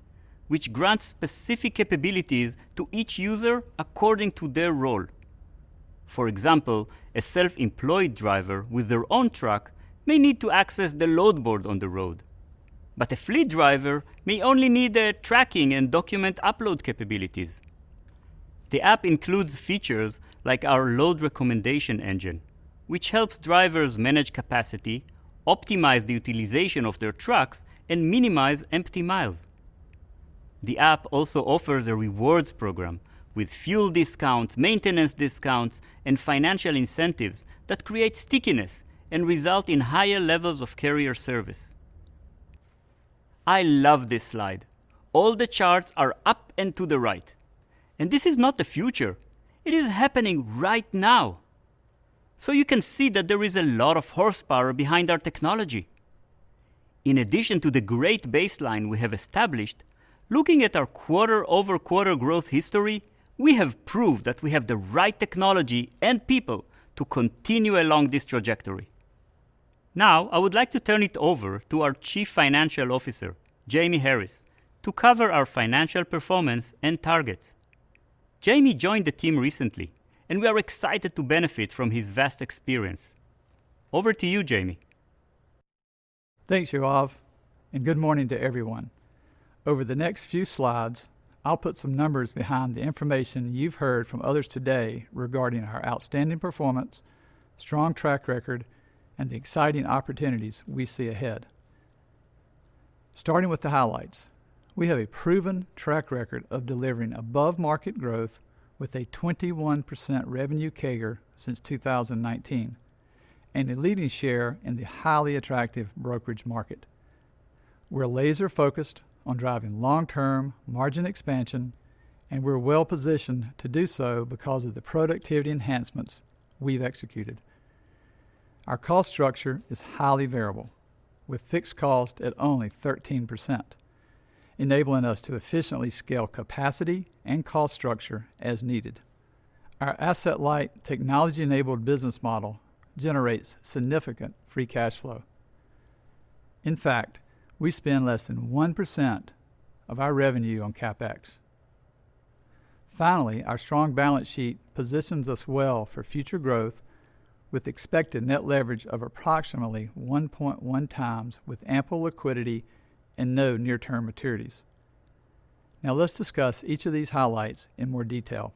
which grants specific capabilities to each user according to their role. For example, a self-employed driver with their own truck may need to access the load board on the road, but a fleet driver may only need the tracking and document upload capabilities. The app includes features like our load recommendation engine, which helps drivers manage capacity, optimize the utilization of their trucks, and minimize empty miles. The app also offers a rewards program with fuel discounts, maintenance discounts, and financial incentives that create stickiness and result in higher levels of carrier service. I love this slide. All the charts are up and to the right, and this is not the future, it is happening right now. You can see that there is a lot of horsepower behind our technology. In addition to the great baseline we have established, looking at our quarter-over-quarter growth history, we have proved that we have the right technology and people to continue along this trajectory. I would like to turn it over to our Chief Financial Officer, Jamie Harris, to cover our financial performance and targets. Jamie joined the team recently, and we are excited to benefit from his vast experience. Over to you, Jamie. Thanks, Yoav, and good morning to everyone. Over the next few slides, I'll put some numbers behind the information you've heard from others today regarding our outstanding performance, strong track record, and the exciting opportunities we see ahead. Starting with the highlights, we have a proven track record of delivering above-market growth with a 21% revenue CAGR since 2019, and a leading share in the highly attractive brokerage market. We're laser-focused on driving long-term margin expansion, and we're well-positioned to do so because of the productivity enhancements we've executed. Our cost structure is highly variable, with fixed cost at only 13%, enabling us to efficiently scale capacity and cost structure as needed. Our asset-light, technology-enabled business model generates significant free cash flow. In fact, we spend less than 1% of our revenue on CapEx. Finally, our strong balance sheet positions us well for future growth with expected net leverage of approximately 1.1 times with ample liquidity and no near-term maturities. Now, let's discuss each of these highlights in more detail.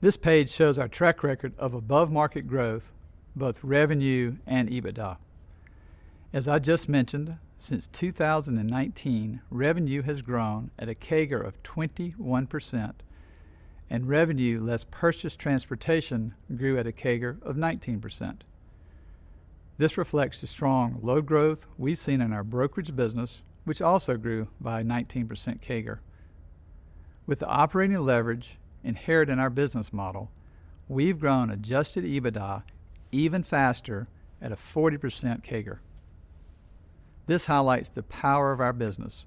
This page shows our track record of above-market growth, both revenue and EBITDA. As I just mentioned, since 2019, revenue has grown at a CAGR of 21%, and revenue less purchased transportation grew at a CAGR of 19%. This reflects the strong load growth we've seen in our brokerage business, which also grew by 19% CAGR. With the operating leverage inherent in our business model, we've grown adjusted EBITDA even faster at a 40% CAGR. This highlights the power of our business.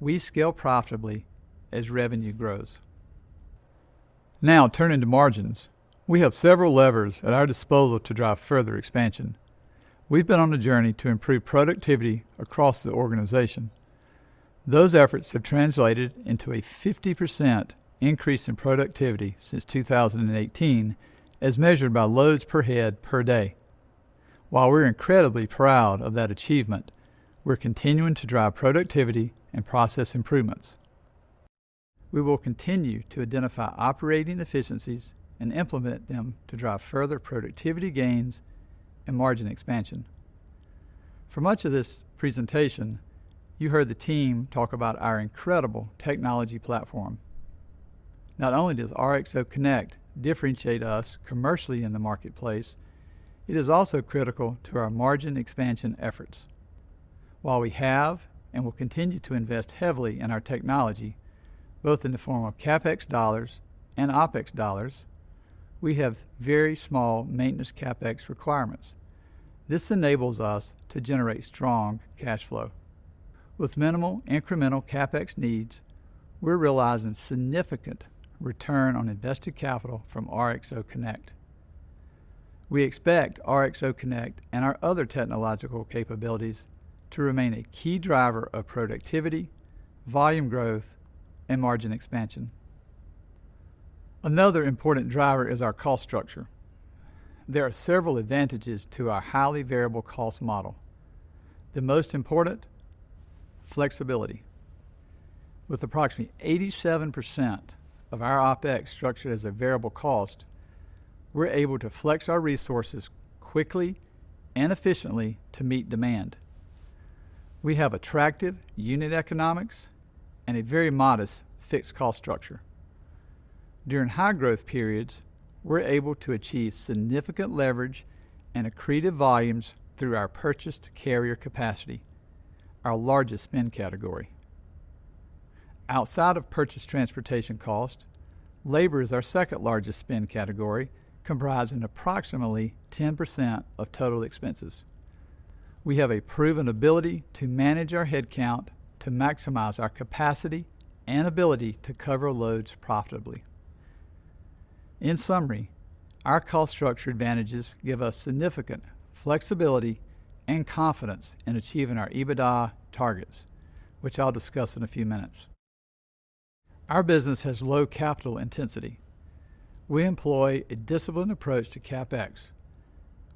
We scale profitably as revenue grows. Now, turning to margins. We have several levers at our disposal to drive further expansion. We've been on a journey to improve productivity across the organization. Those efforts have translated into a 50% increase in productivity since 2018 as measured by loads per head per day. While we're incredibly proud of that achievement, we're continuing to drive productivity and process improvements. We will continue to identify operating efficiencies and implement them to drive further productivity gains and margin expansion. For much of this presentation, you heard the team talk about our incredible technology platform. Not only does RXO Connect differentiate us commercially in the marketplace, it is also critical to our margin expansion efforts. While we have and will continue to invest heavily in our technology, both in the form of CapEx dollars and OpEx dollars, we have very small maintenance CapEx requirements. This enables us to generate strong cash flow. With minimal incremental CapEx needs, we're realizing significant return on invested capital from RXO Connect. We expect RXO Connect and our other technological capabilities to remain a key driver of productivity, volume growth, and margin expansion. Another important driver is our cost structure. There are several advantages to our highly variable cost model. The most important? Flexibility. With approximately 87% of our OpEx structured as a variable cost, we're able to flex our resources quickly and efficiently to meet demand. We have attractive unit economics and a very modest fixed cost structure. During high growth periods, we're able to achieve significant leverage and accretive volumes through our purchased carrier capacity, our largest spend category. Outside of purchased transportation cost, labor is our second-largest spend category, comprising approximately 10% of total expenses. We have a proven ability to manage our headcount to maximize our capacity and ability to cover loads profitably. In summary, our cost structure advantages give us significant flexibility and confidence in achieving our EBITDA targets, which I'll discuss in a few minutes. Our business has low capital intensity. We employ a disciplined approach to CapEx,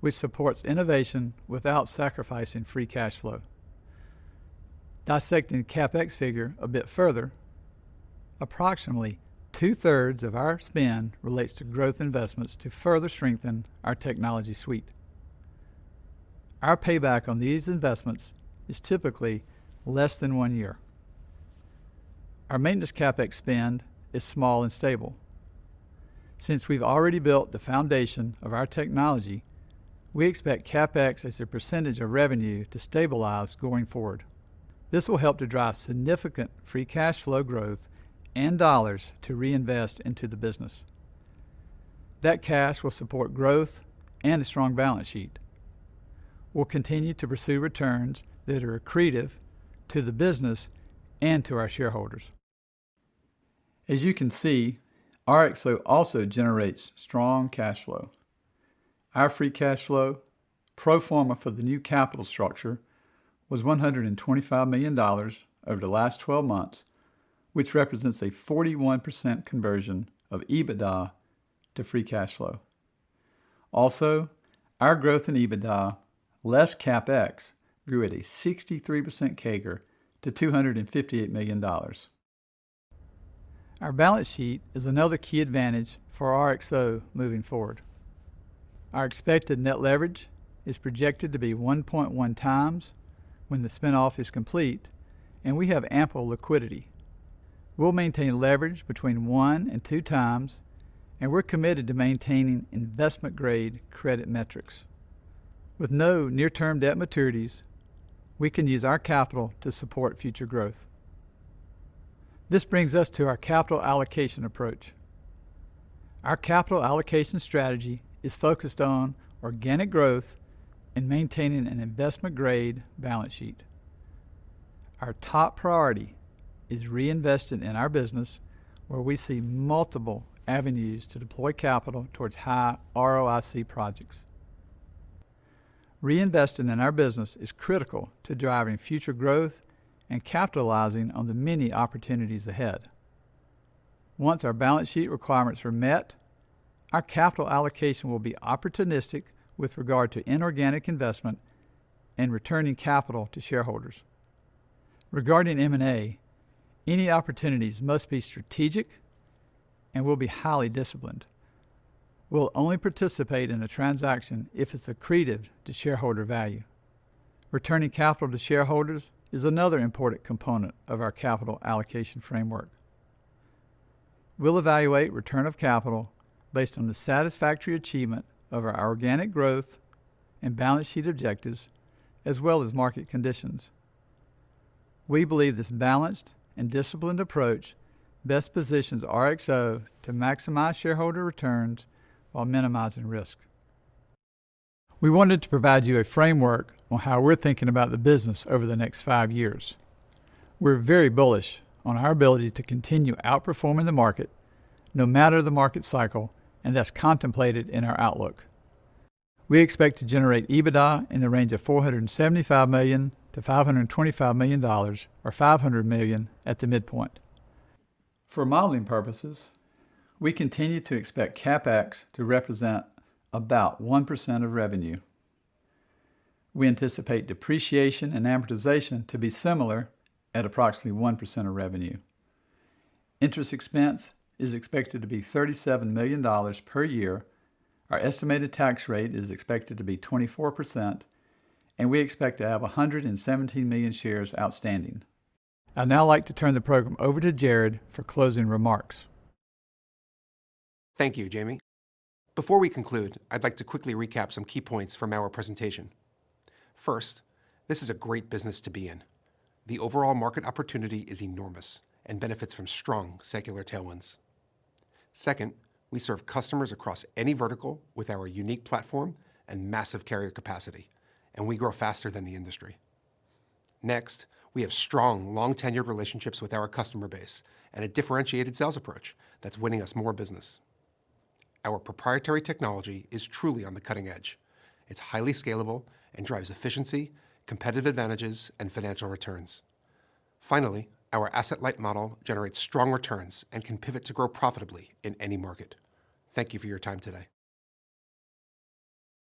which supports innovation without sacrificing free cash flow. Dissecting the CapEx figure a bit further, approximately two-thirds of our spend relates to growth investments to further strengthen our technology suite. Our payback on these investments is typically less than one year. Our maintenance CapEx spend is small and stable. Since we've already built the foundation of our technology, we expect CapEx as a percentage of revenue to stabilize going forward. This will help to drive significant free cash flow growth and dollars to reinvest into the business. That cash will support growth and a strong balance sheet. We'll continue to pursue returns that are accretive to the business and to our shareholders. As you can see, RXO also generates strong cash flow. Our free cash flow pro forma for the new capital structure was $125 million over the last twelve months, which represents a 41% conversion of EBITDA to free cash flow. Also, our growth in EBITDA, less CapEx, grew at a 63% CAGR to $258 million. Our balance sheet is another key advantage for RXO moving forward. Our expected net leverage is projected to be 1.1x when the spin-off is complete, and we have ample liquidity. We'll maintain leverage between 1-2x, and we're committed to maintaining investment-grade credit metrics. With no near-term debt maturities, we can use our capital to support future growth. This brings us to our capital allocation approach. Our capital allocation strategy is focused on organic growth and maintaining an investment-grade balance sheet. Our top priority is reinvesting in our business where we see multiple avenues to deploy capital towards high ROIC projects. Reinvesting in our business is critical to driving future growth and capitalizing on the many opportunities ahead. Once our balance sheet requirements are met, our capital allocation will be opportunistic with regard to inorganic investment and returning capital to shareholders. Regarding M&A, any opportunities must be strategic and will be highly disciplined. We'll only participate in a transaction if it's accretive to shareholder value. Returning capital to shareholders is another important component of our capital allocation framework. We'll evaluate return of capital based on the satisfactory achievement of our organic growth and balance sheet objectives as well as market conditions. We believe this balanced and disciplined approach best positions RXO to maximize shareholder returns while minimizing risk. We wanted to provide you a framework on how we're thinking about the business over the next five years. We're very bullish on our ability to continue outperforming the market no matter the market cycle, and that's contemplated in our outlook. We expect to generate EBITDA in the range of $475 million-$525 million or $500 million at the midpoint. For modeling purposes, we continue to expect CapEx to represent about 1% of revenue. We anticipate depreciation and amortization to be similar at approximately 1% of revenue. Interest expense is expected to be $37 million per year. Our estimated tax rate is expected to be 24%, and we expect to have 117 million shares outstanding. I'd now like to turn the program over to Jared for closing remarks. Thank you, Jamie. Before we conclude, I'd like to quickly recap some key points from our presentation. First, this is a great business to be in. The overall market opportunity is enormous and benefits from strong secular tailwinds. Second, we serve customers across any vertical with our unique platform and massive carrier capacity, and we grow faster than the industry. Next, we have strong, long-tenured relationships with our customer base and a differentiated sales approach that's winning us more business. Our proprietary technology is truly on the cutting edge. It's highly scalable and drives efficiency, competitive advantages, and financial returns. Finally, our asset-light model generates strong returns and can pivot to grow profitably in any market. Thank you for your time today.